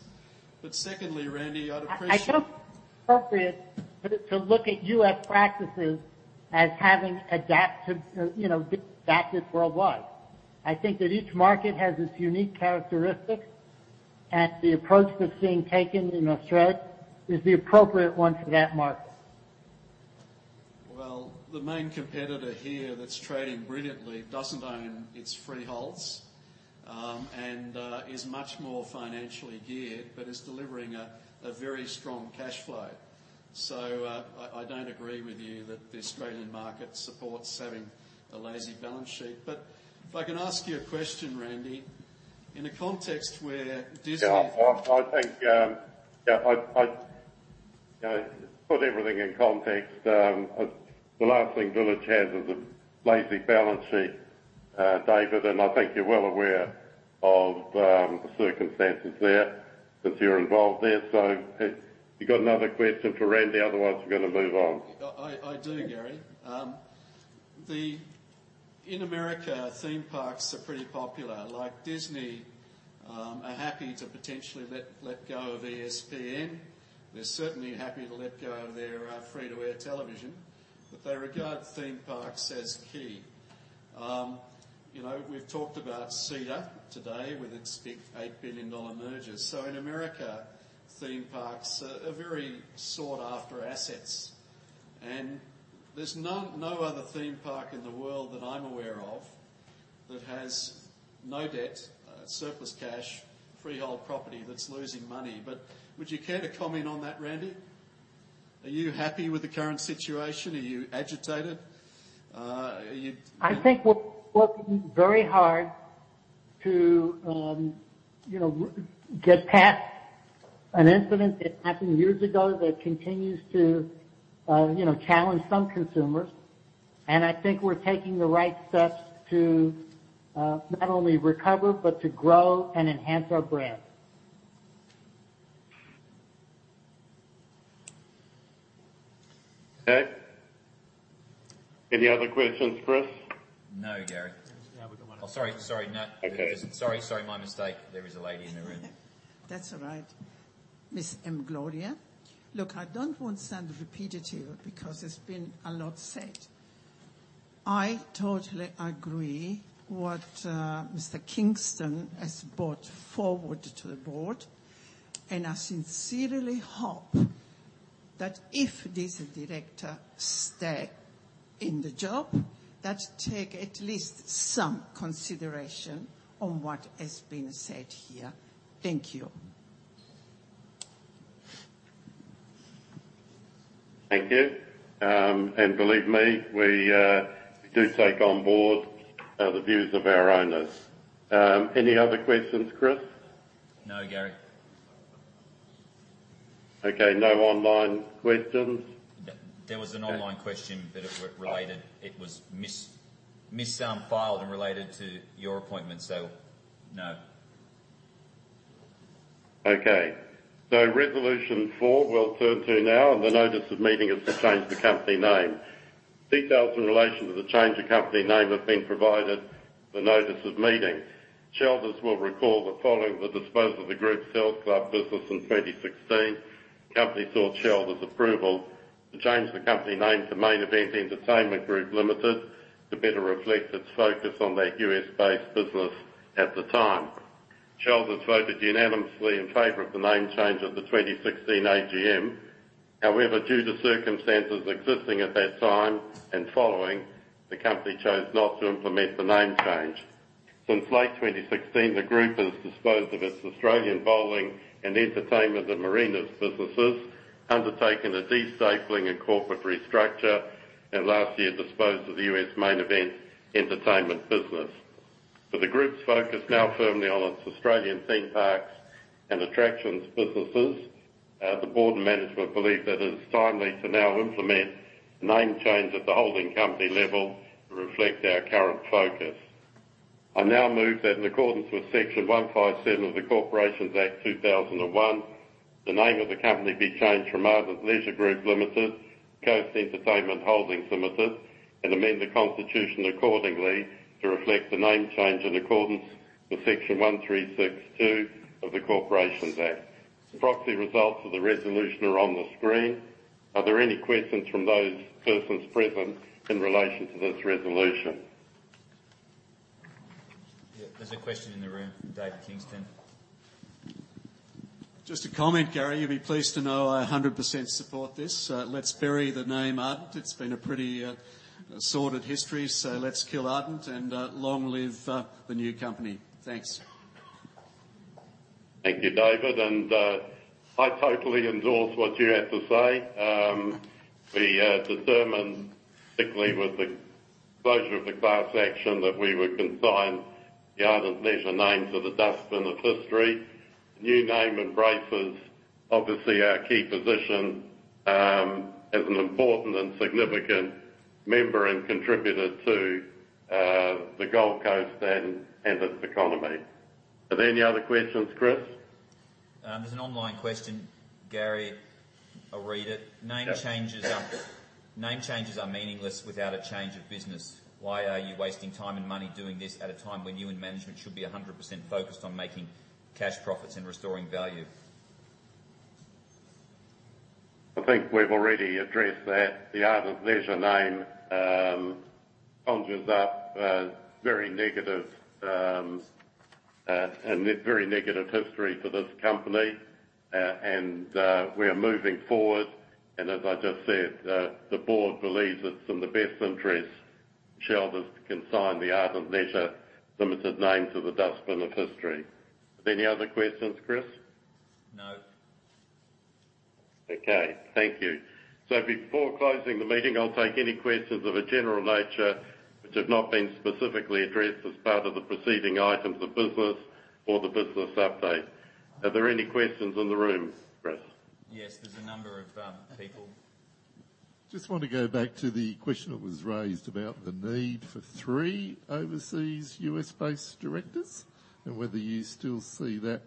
But secondly, Randy, I'd appreciate- I think it's appropriate for to look at U.S. practices as having adapted, you know, being adapted worldwide. I think that each market has its unique characteristics, and the approach that's being taken in Australia is the appropriate one for that market. Well, the main competitor here that's trading brilliantly doesn't own its freeholds, and is much more financially geared, but is delivering a very strong cash flow. So, I don't agree with you that the Australian market supports having a lazy balance sheet. But if I can ask you a question, Randy: In a context where Disney- Yeah, I think, yeah, I'd, you know, put everything in context. The last thing Village has is a lazy balance sheet, David, and I think you're well aware of the circumstances there, since you're involved there. So, you got another question for Randy? Otherwise we're gonna move on. I do, Gary. The-- In America, theme parks are pretty popular. Like, Disney are happy to potentially let go of ESPN. They're certainly happy to let go of their free-to-air television, but they regard theme parks as key. You know, we've talked about Cedar today, with its big $8 billion merger. So in America, theme parks are very sought-after assets, and there's no other theme park in the world that I'm aware of that has no debt, surplus cash, freehold property that's losing money. But would you care to comment on that, Randy? Are you happy with the current situation? Are you agitated? Are you- I think we're working very hard to, you know, get past an incident that happened years ago that continues to, you know, challenge some consumers. I think we're taking the right steps to, not only recover, but to grow and enhance our brand. Okay. Any other questions, Chris? No, Gary. Yeah, we got one. Oh, sorry, sorry, no. Okay. Sorry, sorry, my mistake. There is a lady in the room. That's all right. Miss M. Gloria. Look, I don't want to sound repetitive, because there's been a lot said. I totally agree with what Mr. Kingston has brought forward to the board, and I sincerely hope that if this director stays in the job, they take at least some consideration on what has been said here. Thank you. Thank you. And believe me, we do take on board the views of our owners. Any other questions, Chris? No, Gary. Okay, no online questions? There was an online question, but it related- Oh. It was misfiled and related to your appointment, so no. Okay. So Resolution Four we'll turn to now, and the notice of meeting is to change the company name. Details in relation to the change of company name have been provided in the notice of meeting. Shareholders will recall that following the disposal of the group's Health Clubs business in 2016, company sought shareholders' approval to change the company name to Main Event Entertainment Group Limited, to better reflect its focus on their U.S.-based business at the time. Shareholders voted unanimously in favor of the name change at the 2016 AGM. However, due to circumstances existing at that time, and following, the company chose not to implement the name change. Since late 2016, the group has disposed of its Australian bowling and entertainment and marinas businesses, undertaken a de-cycling and corporate restructure, and last year disposed of the US Main Event entertainment business. With the group's focus now firmly on its Australian theme parks and attractions businesses, the board and management believe that it's timely to now implement name change at the holding company level to reflect our current focus. I now move that in accordance with Section 157 of the Corporations Act 2001, the name of the company be changed from Ardent Leisure Group Limited to Coast Entertainment Holdings Limited, and amend the constitution accordingly to reflect the name change in accordance with Section 1362 of the Corporations Act. Proxy results of the resolution are on the screen. Are there any questions from those persons present in relation to this resolution? Yeah, there's a question in the room, David Kingston. Just a comment, Gary. You'll be pleased to know I 100% support this. Let's bury the name Ardent. It's been a pretty sordid history, so let's kill Ardent, and long live the new company. Thanks. Thank you, David, and I totally endorse what you have to say. We determined, particularly with the closure of the class action, that we would consign the Ardent Leisure name to the dustbin of history. New name embraces obviously our key position as an important and significant member and contributor to the Gold Coast and its economy. Are there any other questions, Chris? There's an online question, Gary. I'll read it. Yes. Name changes are meaningless without a change of business. Why are you wasting time and money doing this at a time when you in management should be 100% focused on making cash profits and restoring value? I think we've already addressed that. The Ardent Leisure name conjures up very negative, a very negative history for this company. And we are moving forward, and as I just said, the board believes it's in the best interest, shareholders to consign the Ardent Leisure Limited name to the dustbin of history. Are there any other questions, Chris? No. Okay, thank you. Before closing the meeting, I'll take any questions of a general nature which have not been specifically addressed as part of the preceding items of business or the business update. Are there any questions in the room, Chris? Yes, there's a number of people. Just want to go back to the question that was raised about the need for three overseas US-based directors and whether you still see that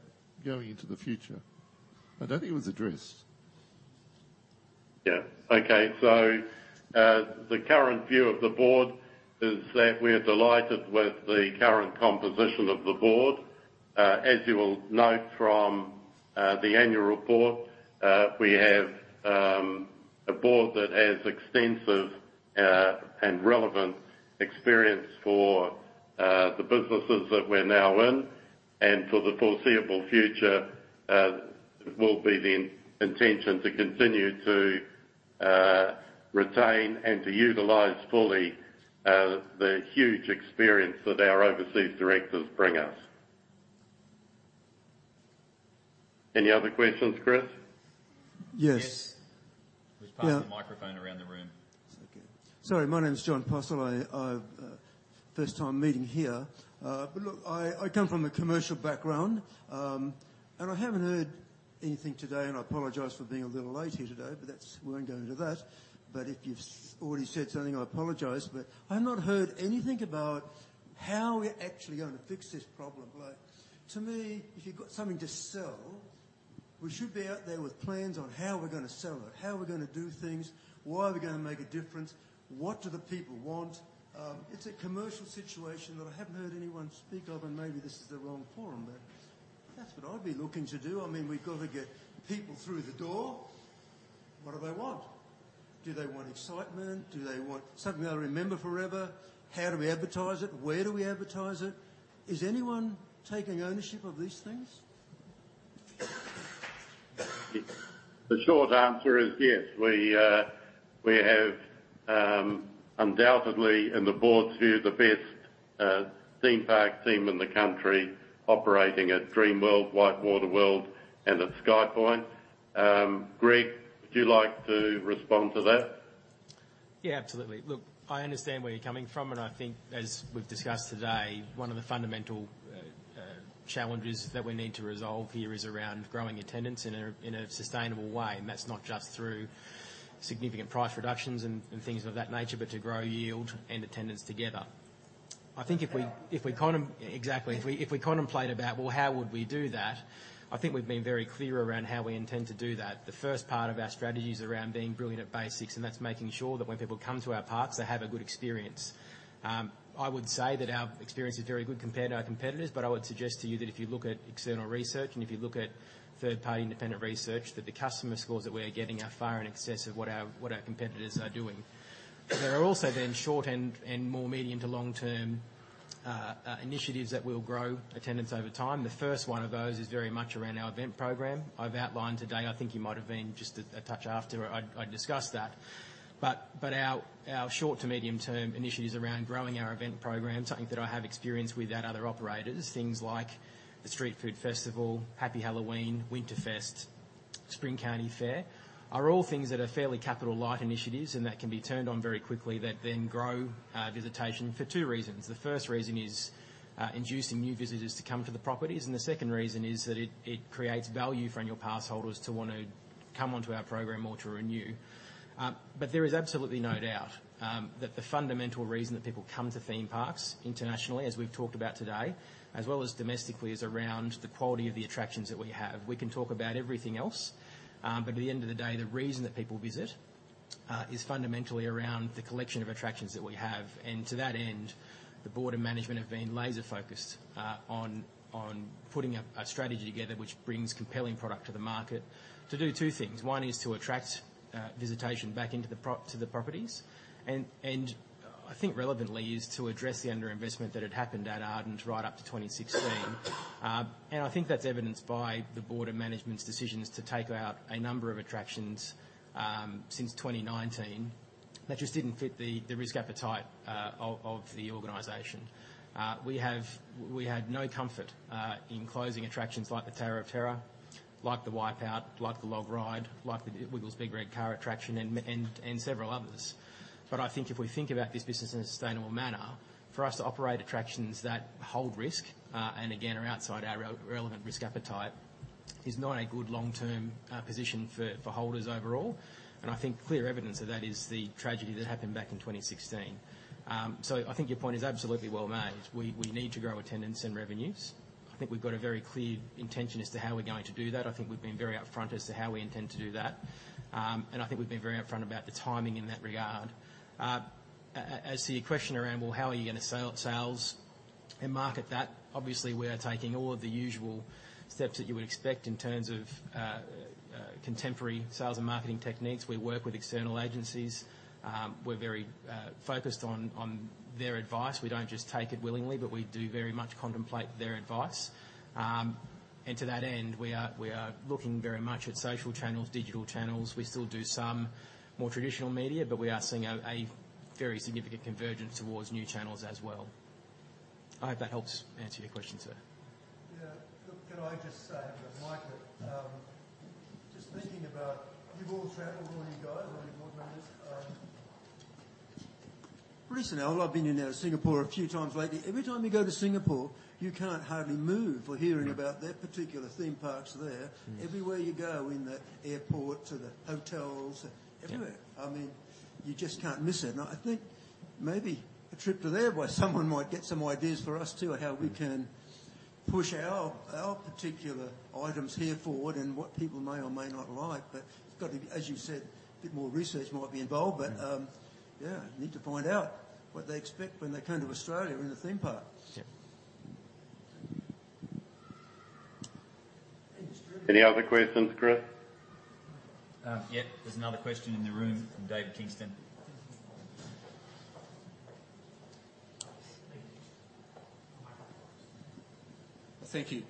going into the future. I don't think it was addressed. Yeah. Okay, so, the current view of the board is that we're delighted with the current composition of the board. As you will note from the annual report, we have a board that has extensive and relevant experience for the businesses that we're now in, and for the foreseeable future, it will be the intention to continue to retain and to utilize fully the huge experience that our overseas directors bring us. Any other questions, Chris? Yes. Yes. We'll pass the microphone around the room. It's okay. Sorry, my name is John Postle. First time meeting here. But look, I come from a commercial background, and I haven't heard anything today, and I apologize for being a little late here today, but that's, we won't go into that. But if you've already said something, I apologize, but I've not heard anything about how we're actually going to fix this problem. Like, to me, if you've got something to sell, we should be out there with plans on how we're gonna sell it, how we're gonna do things, why we're gonna make a difference, what do the people want? It's a commercial situation that I haven't heard anyone speak of, and maybe this is the wrong forum, but that's what I'd be looking to do. I mean, we've got to get people through the door. What do they want? Do they want excitement? Do they want something they'll remember forever? How do we advertise it? Where do we advertise it? Is anyone taking ownership of these things? The short answer is yes. We have undoubtedly, in the board's view, the best theme park team in the country operating at Dreamworld, WhiteWater World, and at SkyPoint. Greg, would you like to respond to that? Yeah, absolutely. Look, I understand where you're coming from, and I think as we've discussed today, one of the fundamental challenges that we need to resolve here is around growing attendance in a sustainable way. And that's not just through significant price reductions and things of that nature, but to grow yield and attendance together. I think if we, if we Exactly. If we, if we contemplate about, well, how would we do that? I think we've been very clear around how we intend to do that. The first part of our strategy is around being brilliant at basics, and that's making sure that when people come to our parks, they have a good experience. I would say that our experience is very good compared to our competitors, but I would suggest to you that if you look at external research and if you look at third-party independent research, that the customer scores that we are getting are far in excess of what our competitors are doing. There are also short and more medium- to long-term initiatives that will grow attendance over time. The first one of those is very much around our event program. I've outlined today, I think you might have been just a touch after I discussed that. But our short to medium-term initiatives around growing our event program, something that I have experience with at other operators, things like the Street Food Festival, Happy Halloween, Winterfest, Spring County Fair, are all things that are fairly capital-light initiatives and that can be turned on very quickly, that then grow visitation for two reasons. The first reason is inducing new visitors to come to the properties, and the second reason is that it creates value for annual pass holders to want to come onto our program or to renew. But there is absolutely no doubt that the fundamental reason that people come to theme parks internationally, as we've talked about today, as well as domestically, is around the quality of the attractions that we have. We can talk about everything else, but at the end of the day, the reason that people visit is fundamentally around the collection of attractions that we have. And to that end, the board and management have been laser focused on putting up a strategy together, which brings compelling product to the market to do two things. One is to attract visitation back into the prop-- to the properties. And I think relevantly, is to address the underinvestment that had happened at Ardent right up to 2016. And I think that's evidenced by the board and management's decisions to take out a number of attractions since 2019, that just didn't fit the risk appetite of the organization. We had no comfort in closing attractions like the Tower of Terror, like the Wipeout, like the Log Ride, like the Wiggles Big Red Car attraction, and several others. But I think if we think about this business in a sustainable manner, for us to operate attractions that hold risk, and again, are outside our relevant risk appetite, is not a good long-term position for holders overall. And I think clear evidence of that is the tragedy that happened back in 2016. So I think your point is absolutely well made. We need to grow attendance and revenues. I think we've got a very clear intention as to how we're going to do that. I think we've been very upfront as to how we intend to do that. And I think we've been very upfront about the timing in that regard. As to your question around, well, how are you going to sell sales and market that? Obviously, we are taking all of the usual steps that you would expect in terms of, contemporary sales and marketing techniques. We work with external agencies. We're very, focused on their advice. We don't just take it willingly, but we do very much contemplate their advice. And to that end, we are looking very much at social channels, digital channels. We still do some more traditional media, but we are seeing a very significant convergence towards new channels as well. I hope that helps answer your question, sir. Yeah. Look, can I just say, Mike, that, just thinking about you've all traveled, all you guys, all you board members. Recently, I've been in Singapore a few times lately. Every time you go to Singapore, you can't hardly move for hearing about their particular theme parks there. Mm. Everywhere you go, in the airport, to the hotels, everywhere. Yeah. I mean, you just can't miss it. And I think maybe a trip to there where someone might get some ideas for us, too, on how we can push our, our particular items here forward and what people may or may not like. But it's got to be, as you said, a bit more research might be involved, but, yeah, need to find out what they expect when they come to Australia in the theme park. Yeah. Any other questions, Chris? Yeah, there's another question in the room from David Kingston. Thank you.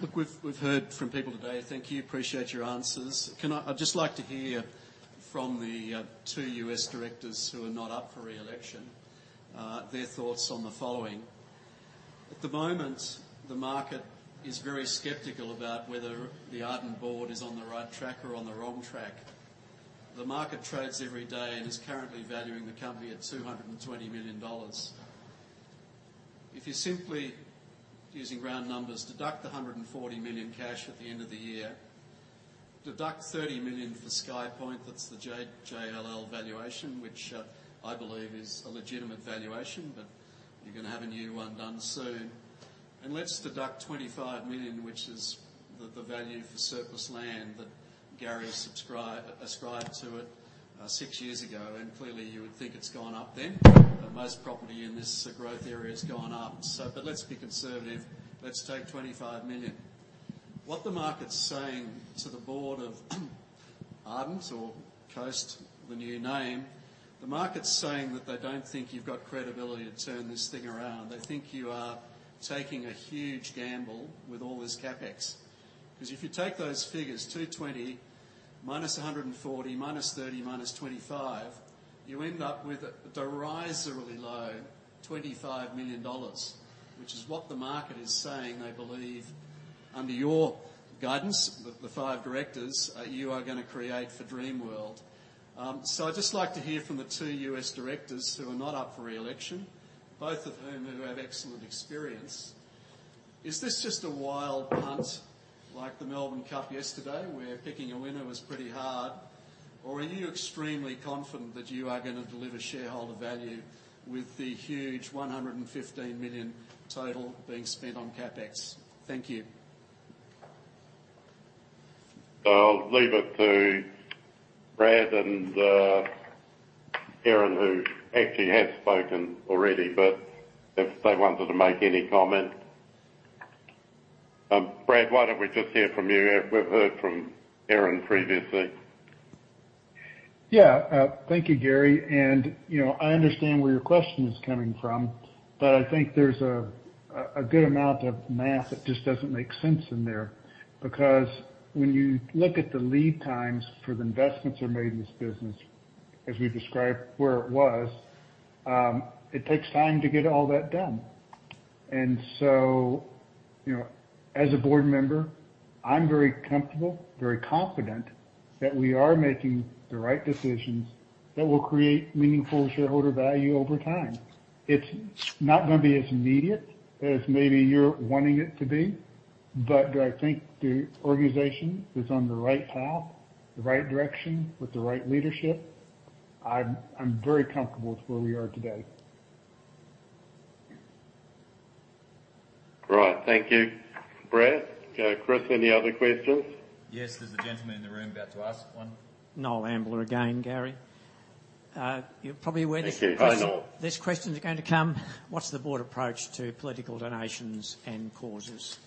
Look, we've heard from people today. Thank you. Appreciate your answers. Can I... I'd just like to hear from the two U.S. directors who are not up for re-election their thoughts on the following. At the moment, the market is very skeptical about whether the Ardent board is on the right track or on the wrong track. The market trades every day and is currently valuing the company at 220 million dollars. If you're simply using round numbers, deduct the 140 million cash at the end of the year, deduct 30 million for SkyPoint, that's the JLL valuation, which I believe is a legitimate valuation, but you're going to have a new one done soon. Let's deduct 25 million, which is the value for surplus land that Gary ascribed to it six years ago, and clearly, you would think it's gone up then. Most property in this growth area has gone up. But let's be conservative. Let's take 25 million. What the market's saying to the board of Ardent or Coast, the new name, the market's saying that they don't think you've got credibility to turn this thing around. They think you are taking a huge gamble with all this CapEx. Because if you take those figures, 220 minus 140, minus 30, minus 25, you end up with a derisorily low 25 million dollars, which is what the market is saying they believe under your guidance, the five directors, you are going to create for Dreamworld. So, I'd just like to hear from the two U.S. directors who are not up for re-election, both of whom have excellent experience. Is this just a wild punt, like the Melbourne Cup yesterday, where picking a winner was pretty hard? Or are you extremely confident that you are going to deliver shareholder value with the huge 115 million total being spent on CapEx? Thank you. I'll leave it to Brad and Aaron, who actually has spoken already, but if they wanted to make any comment. Brad, why don't we just hear from you? We've heard from Aaron previously. Yeah. Thank you, Gary. And, you know, I understand where your question is coming from, but I think there's a good amount of math that just doesn't make sense in there. Because when you look at the lead times for the investments that are made in this business, as we've described where it was, it takes time to get all that done. And so, you know, as a board member, I'm very comfortable, very confident that we are making the right decisions that will create meaningful shareholder value over time. It's not going to be as immediate as maybe you're wanting it to be, but do I think the organization is on the right path, the right direction, with the right leadership? I'm very comfortable with where we are today. Thank you, Brad. Chris, any other questions? Yes, there's a gentleman in the room about to ask one. Noel Ambler again, Gary. You're probably aware this- Thank you. Hi, Noel. This question is going to come, what's the board approach to political donations and causes?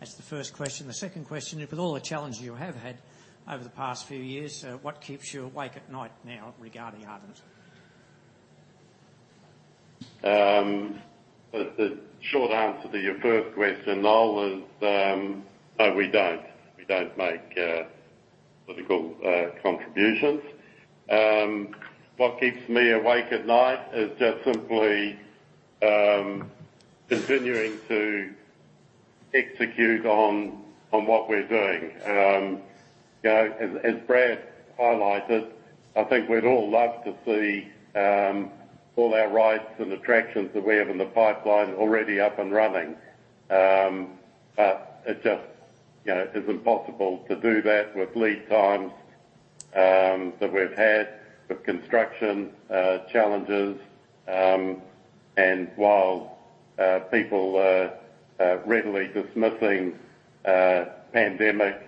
That's the first question. The second question is, with all the challenges you have had over the past few years, what keeps you awake at night now regarding Ardent? The short answer to your first question, Noel, is no, we don't. We don't make political contributions. What keeps me awake at night is just simply continuing to execute on what we're doing. You know, as Brad highlighted, I think we'd all love to see all our rides and attractions that we have in the pipeline already up and running. But it just, you know, is impossible to do that with lead times that we've had, with construction challenges. And while people are readily dismissing pandemic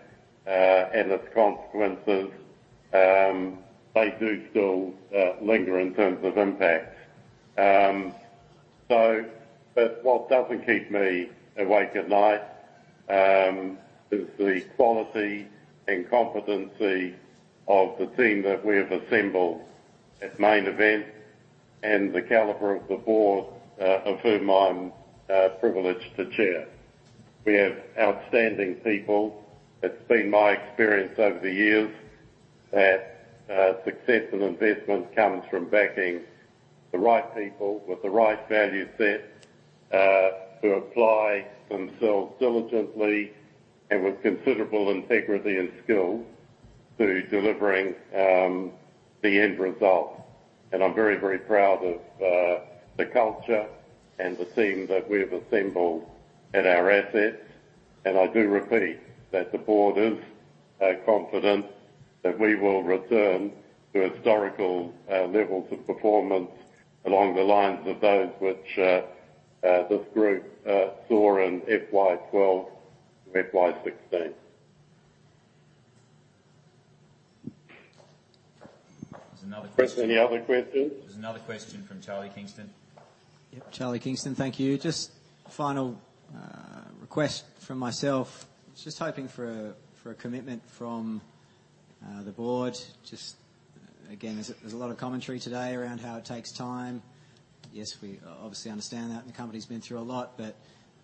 and its consequences, they do still linger in terms of impact. So but what doesn't keep me awake at night is the quality and competency of the team that we have assembled at Main Event and the caliber of the board, of whom I'm privileged to chair. We have outstanding people. It's been my experience over the years that success and investment comes from backing the right people with the right value set, who apply themselves diligently and with considerable integrity and skill to delivering the end result. I'm very, very proud of the culture and the team that we've assembled at our assets. I do repeat that the board is confident that we will return to historical levels of performance along the lines of those which this group saw in FY 2012 to FY 2016. There's another question. Chris, any other questions? There's another question from Charlie Kingston. Yep, Charlie Kingston. Thank you. Just a final request from myself. Just hoping for a commitment from the board. Just again, there's a lot of commentary today around how it takes time. Yes, we obviously understand that, and the company's been through a lot. But,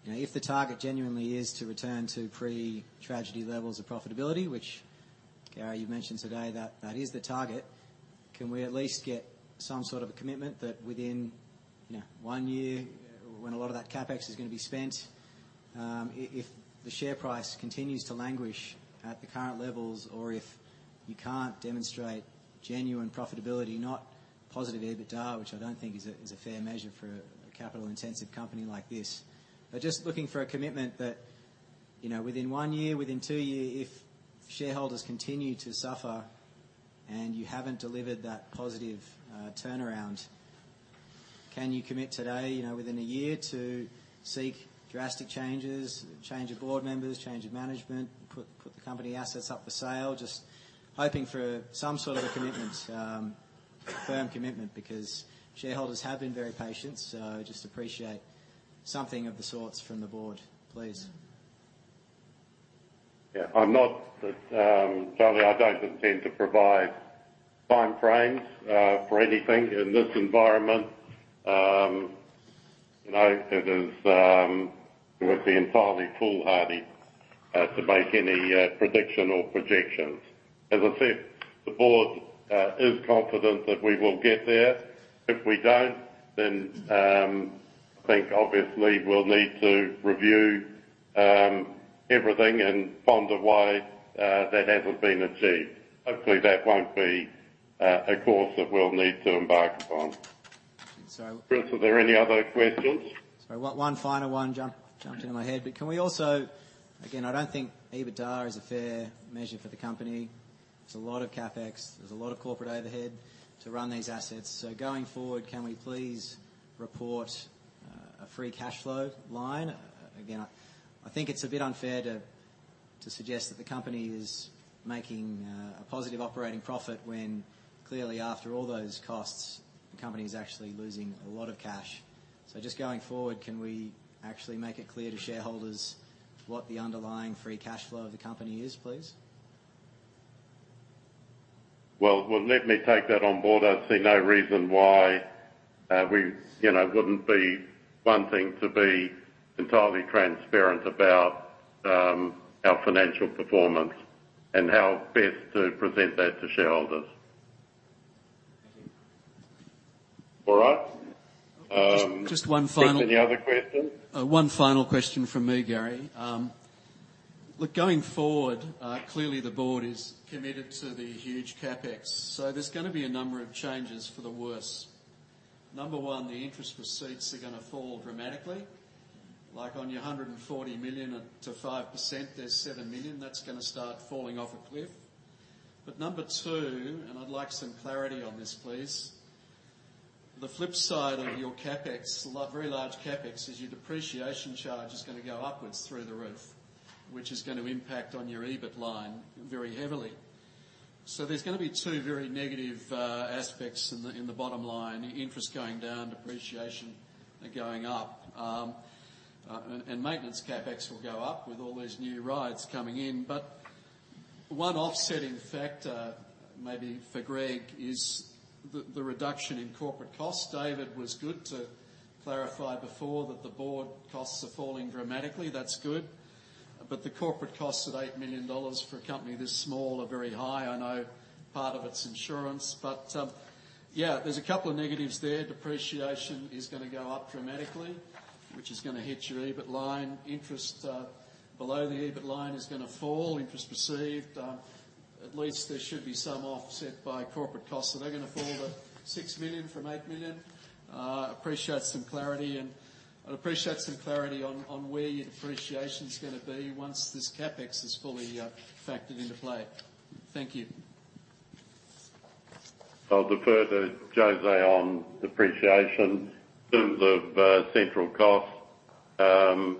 you know, if the target genuinely is to return to pre-tragedy levels of profitability, which, Gary, you mentioned today that that is the target, can we at least get some sort of a commitment that within, you know, one year, when a lot of that CapEx is going to be spent, if the share price continues to languish at the current levels, or if you can't demonstrate genuine profitability, not positive EBITDA, which I don't think is a fair measure for a capital-intensive company like this. But just looking for a commitment that, you know, within one year, within two years, if shareholders continue to suffer and you haven't delivered that positive, turnaround, can you commit today, you know, within a year, to seek drastic changes, change of board members, change of management, put the company assets up for sale? Just hoping for some sort of a commitment, a firm commitment, because shareholders have been very patient. So just appreciate something of the sorts from the board, please. Yeah, I'm not, Charlie, I don't intend to provide time frames for anything in this environment. You know, it would be entirely foolhardy to make any prediction or projections. As I said, the board is confident that we will get there. If we don't, then, I think obviously we'll need to review everything and find a way that hasn't been achieved. Hopefully, that won't be a course that we'll need to embark upon. So- Chris, are there any other questions? Sorry, one final one jumped into my head. But can we also... Again, I don't think EBITDA is a fair measure for the company. There's a lot of CapEx, there's a lot of corporate overhead to run these assets. So going forward, can we please report a free cash flow line? Again, I think it's a bit unfair to suggest that the company is making a positive operating profit, when clearly, after all those costs, the company is actually losing a lot of cash. So just going forward, can we actually make it clear to shareholders what the underlying free cash flow of the company is, please? Well, well, let me take that on board. I see no reason why, we, you know, wouldn't be wanting to be entirely transparent about, our financial performance and how best to present that to shareholders. Thank you. All right. Just one final- Any other questions? One final question from me, Gary. Look, going forward, clearly the board is committed to the huge CapEx, so there's gonna be a number of changes for the worse. Number one, the interest receipts are gonna fall dramatically. Like, on your 140 million to 5%, there's 7 million, that's gonna start falling off a cliff. But number two, and I'd like some clarity on this, please. The flip side of your CapEx, very large CapEx, is your depreciation charge is going to go upwards through the roof, which is going to impact on your EBIT line very heavily. So there's gonna be two very negative aspects in the bottom line: interest going down, depreciation going up. And maintenance CapEx will go up with all these new rides coming in. But one offsetting factor, maybe for Greg, is the reduction in corporate costs. David was good to clarify before that the board costs are falling dramatically. That's good. But the corporate costs at 8 million dollars for a company this small are very high. I know part of it's insurance, but, yeah, there's a couple of negatives there. Depreciation is gonna go up dramatically, which is gonna hit your EBIT line. Interest, below the EBIT line is gonna fall. Interest received, at least there should be some offset by corporate costs. So they're gonna fall to 6 million from 8 million. Appreciate some clarity, and I'd appreciate some clarity on, on where your depreciation's gonna be once this CapEx is fully, factored into play. Thank you. I'll defer to José on depreciation. In terms of central costs, you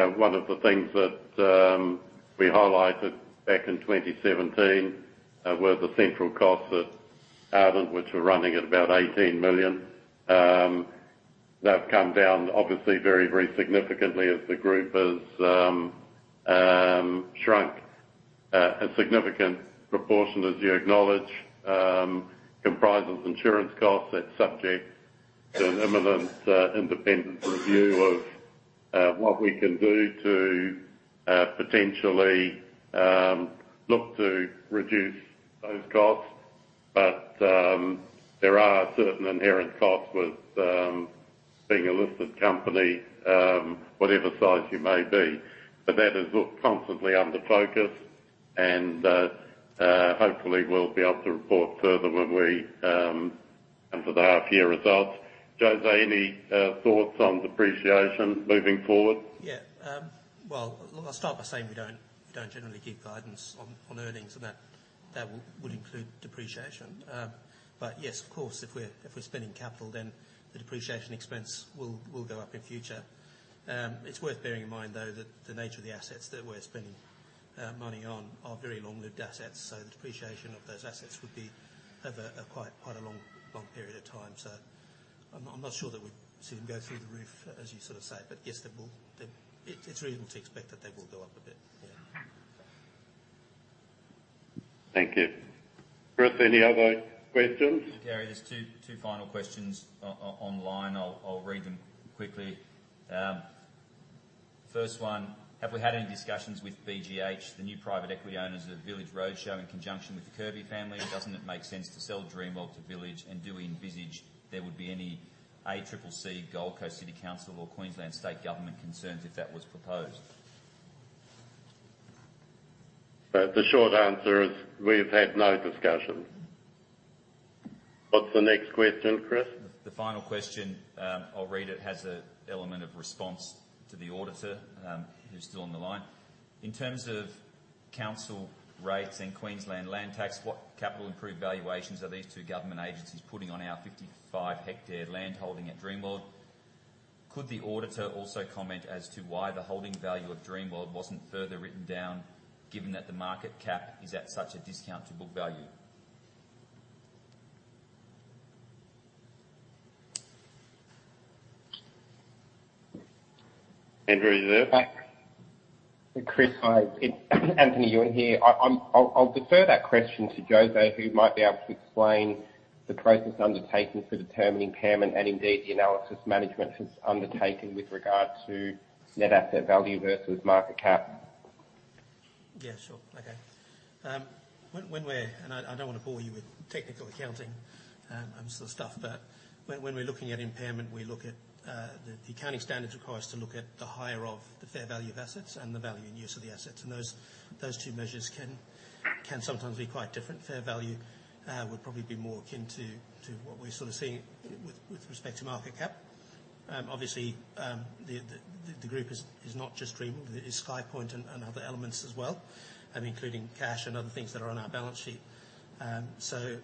know, one of the things that we highlighted back in 2017 were the central costs at Ardent, which were running at about 18 million. They've come down, obviously, very, very significantly as the group has shrunk. A significant proportion, as you acknowledge, comprises insurance costs. That's subject to an imminent independent review of what we can do to potentially look to reduce those costs. But there are certain inherent costs with being a listed company, whatever size you may be. But that is looked constantly under focus, and hopefully we'll be able to report further when we come to the half year results. José, any thoughts on depreciation moving forward? Yeah. Well, I'll start by saying we don't generally give guidance on earnings, and that would include depreciation. But yes, of course, if we're spending capital, then the depreciation expense will go up in future. It's worth bearing in mind, though, that the nature of the assets that we're spending money on are very long-lived assets, so the depreciation of those assets would be over a quite a long period of time. So I'm not sure that we've seen them go through the roof, as you sort of say, but yes, they will. It's reasonable to expect that they will go up a bit. Yeah. Thank you. Chris, any other questions? Gary, there are two final questions online. I'll read them quickly. First one: Have we had any discussions with BGH, the new private equity owners of Village Roadshow, in conjunction with the Kirby family? Doesn't it make sense to sell Dreamworld to Village? And do we envisage there would be any ACCC, Gold Coast City Council, or Queensland State Government concerns if that was proposed? The short answer is, we've had no discussions. What's the next question, Chris? The final question, I'll read it, has an element of response to the auditor, who's still on the line. In terms of council rates and Queensland land tax, what capital improved valuations are these two government agencies putting on our 55-hectare land holding at Dreamworld? Could the auditor also comment as to why the holding value of Dreamworld wasn't further written down, given that the market cap is at such a discount to book value? Andrew, are you there? Chris, hi. It's Anthony Ewan here. I’ll defer that question to José, who might be able to explain the process undertaken for determining impairment and indeed, the analysis management has undertaken with regard to net asset value versus market cap. Yeah, sure. Okay. I don't want to bore you with technical accounting and sort of stuff, but when we're looking at impairment, we look at the accounting standards require us to look at the higher of the fair value of assets and the value and use of the assets. And those two measures can sometimes be quite different. Fair value would probably be more akin to what we're sort of seeing with respect to market cap. Obviously, the group is not just Dreamworld, it's SkyPoint and other elements as well, including cash and other things that are on our balance sheet. So,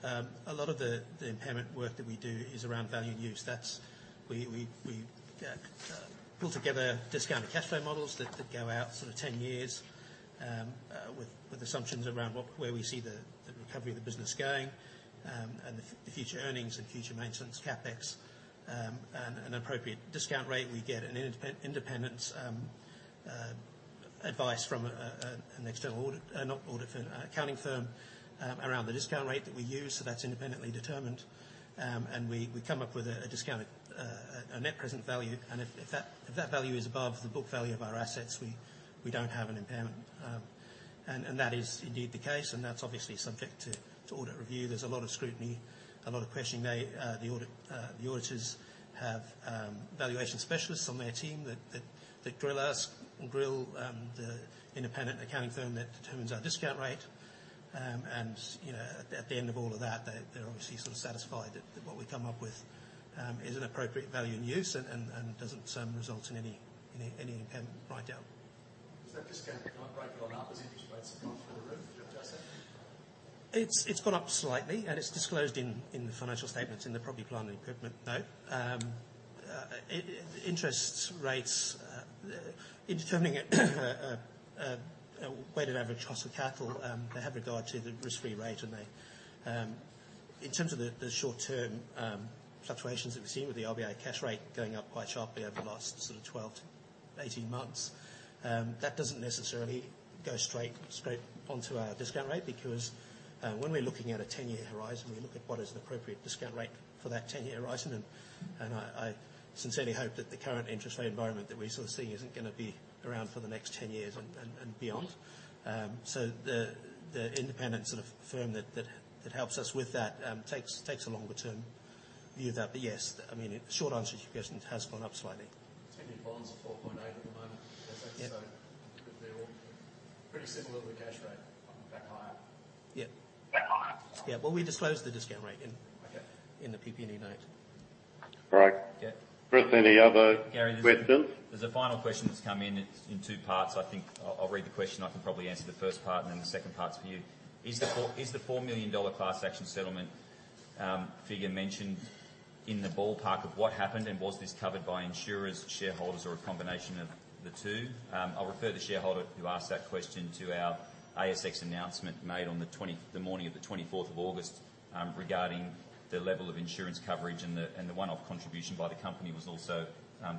a lot of the impairment work that we do is around value and use. We pull together discounted cash flow models that go out sort of 10 years, with assumptions around where we see the recovery of the business going, and the future earnings and future maintenance CapEx, and an appropriate discount rate. We get independent advice from an external accounting firm around the discount rate that we use, so that's independently determined. We come up with a discounted net present value. If that value is above the book value of our assets, we don't have an impairment. That is indeed the case, and that's obviously subject to audit review. There's a lot of scrutiny, a lot of questioning there. The auditors have valuation specialists on their team that grill us and grill the independent accounting firm that determines our discount rate. You know, at the end of all of that, they're obviously sort of satisfied that what we come up with is an appropriate value and use and doesn't result in any impairment write down. Has that discount rate gone up as interest rates have gone through the roof? Would you adjust that? It's gone up slightly, and it's disclosed in the financial statements, in the property, plant, and equipment note. Interest rates in determining a weighted average cost of capital, they have regard to the risk-free rate, and they... In terms of the short-term fluctuations that we've seen with the RBA cash rate going up quite sharply over the last sort of 12-18 months, that doesn't necessarily go straight onto our discount rate, because when we're looking at a 10-year horizon, we look at what is an appropriate discount rate for that 10-year horizon, and I sincerely hope that the current interest rate environment that we sort of see isn't gonna be around for the next 10 years and beyond. So the independent sort of firm that helps us with that takes a longer term view of that. But yes, I mean, the short answer to your question, it has gone up slightly. 10-year bond's at 4.8 at the moment. Yeah. They're all pretty similar to the cash rate, back higher. Yeah. Back higher. Yeah. Well, we disclose the discount rate in- Okay. in the PP&E note. All right. Yeah. Chris, any other questions? Gary, there's a final question that's come in. It's in two parts. I think I'll, I'll read the question. I can probably answer the first part, and then the second part's for you: "Is the four, is the 4 million dollar class action settlement figure mentioned in the ballpark of what happened, and was this covered by insurers, shareholders, or a combination of the two?" I'll refer the shareholder who asked that question to our ASX announcement made on the morning of the twenty-fourth of August regarding the level of insurance coverage, and the one-off contribution by the company was also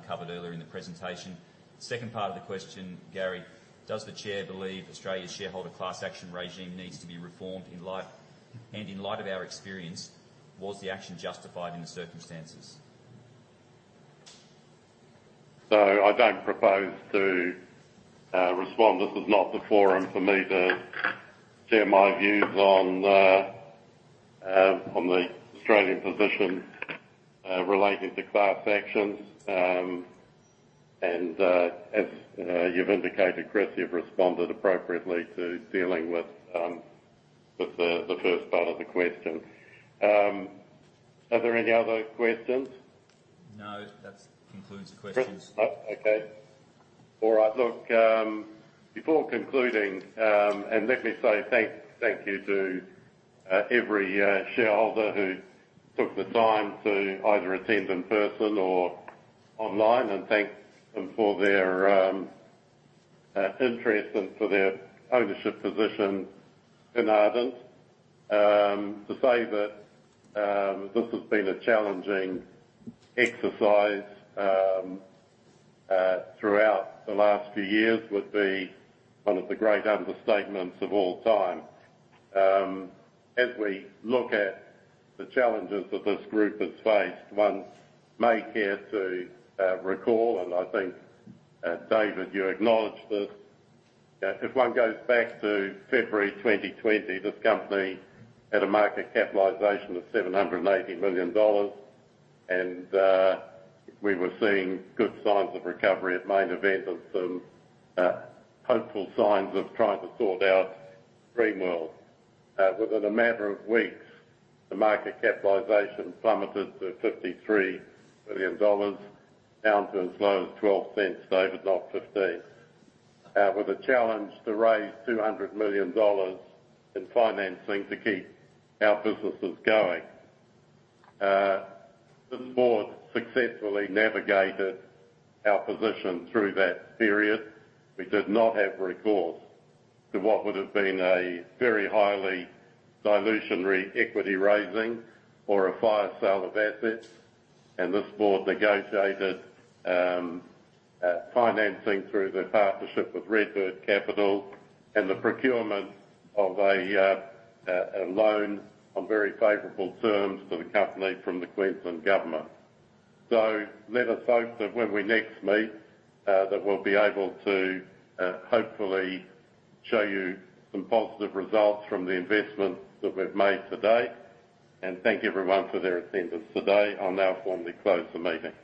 covered earlier in the presentation. Second part of the question, Gary: "Does the chair believe Australia's shareholder class action regime needs to be reformed in light of our experience, was the action justified in the circumstances? I don't propose to respond. This is not the forum for me to share my views on the Australian position relating to class actions. As you've indicated, Chris, you've responded appropriately to dealing with the first part of the question. Are there any other questions? No, that concludes the questions. Oh, okay. All right. Look, before concluding... Let me say thanks, thank you to every shareholder who took the time to either attend in person or online, and thank them for their interest and for their ownership position in Ardent. To say that this has been a challenging exercise throughout the last few years would be one of the great understatements of all time. As we look at the challenges that this group has faced, one may care to recall, and I think, David, you acknowledged this. If one goes back to February 2020, this company had a market capitalization of 780 million dollars, and we were seeing good signs of recovery at Main Event and some hopeful signs of trying to sort out Dreamworld. Within a matter of weeks, the market capitalization plummeted to 53 million dollars, down to as low as 0.12, David, not 15. With a challenge to raise 200 million dollars in financing to keep our businesses going. This board successfully navigated our position through that period. We did not have recourse to what would have been a very highly dilutionary equity raising or a fire sale of assets, and this board negotiated financing through the partnership with RedBird Capital and the procurement of a loan on very favorable terms for the company from the Queensland Government. So let us hope that when we next meet, that we'll be able to hopefully show you some positive results from the investments that we've made today. And thank you, everyone, for their attendance today. I'll now formally close the meeting.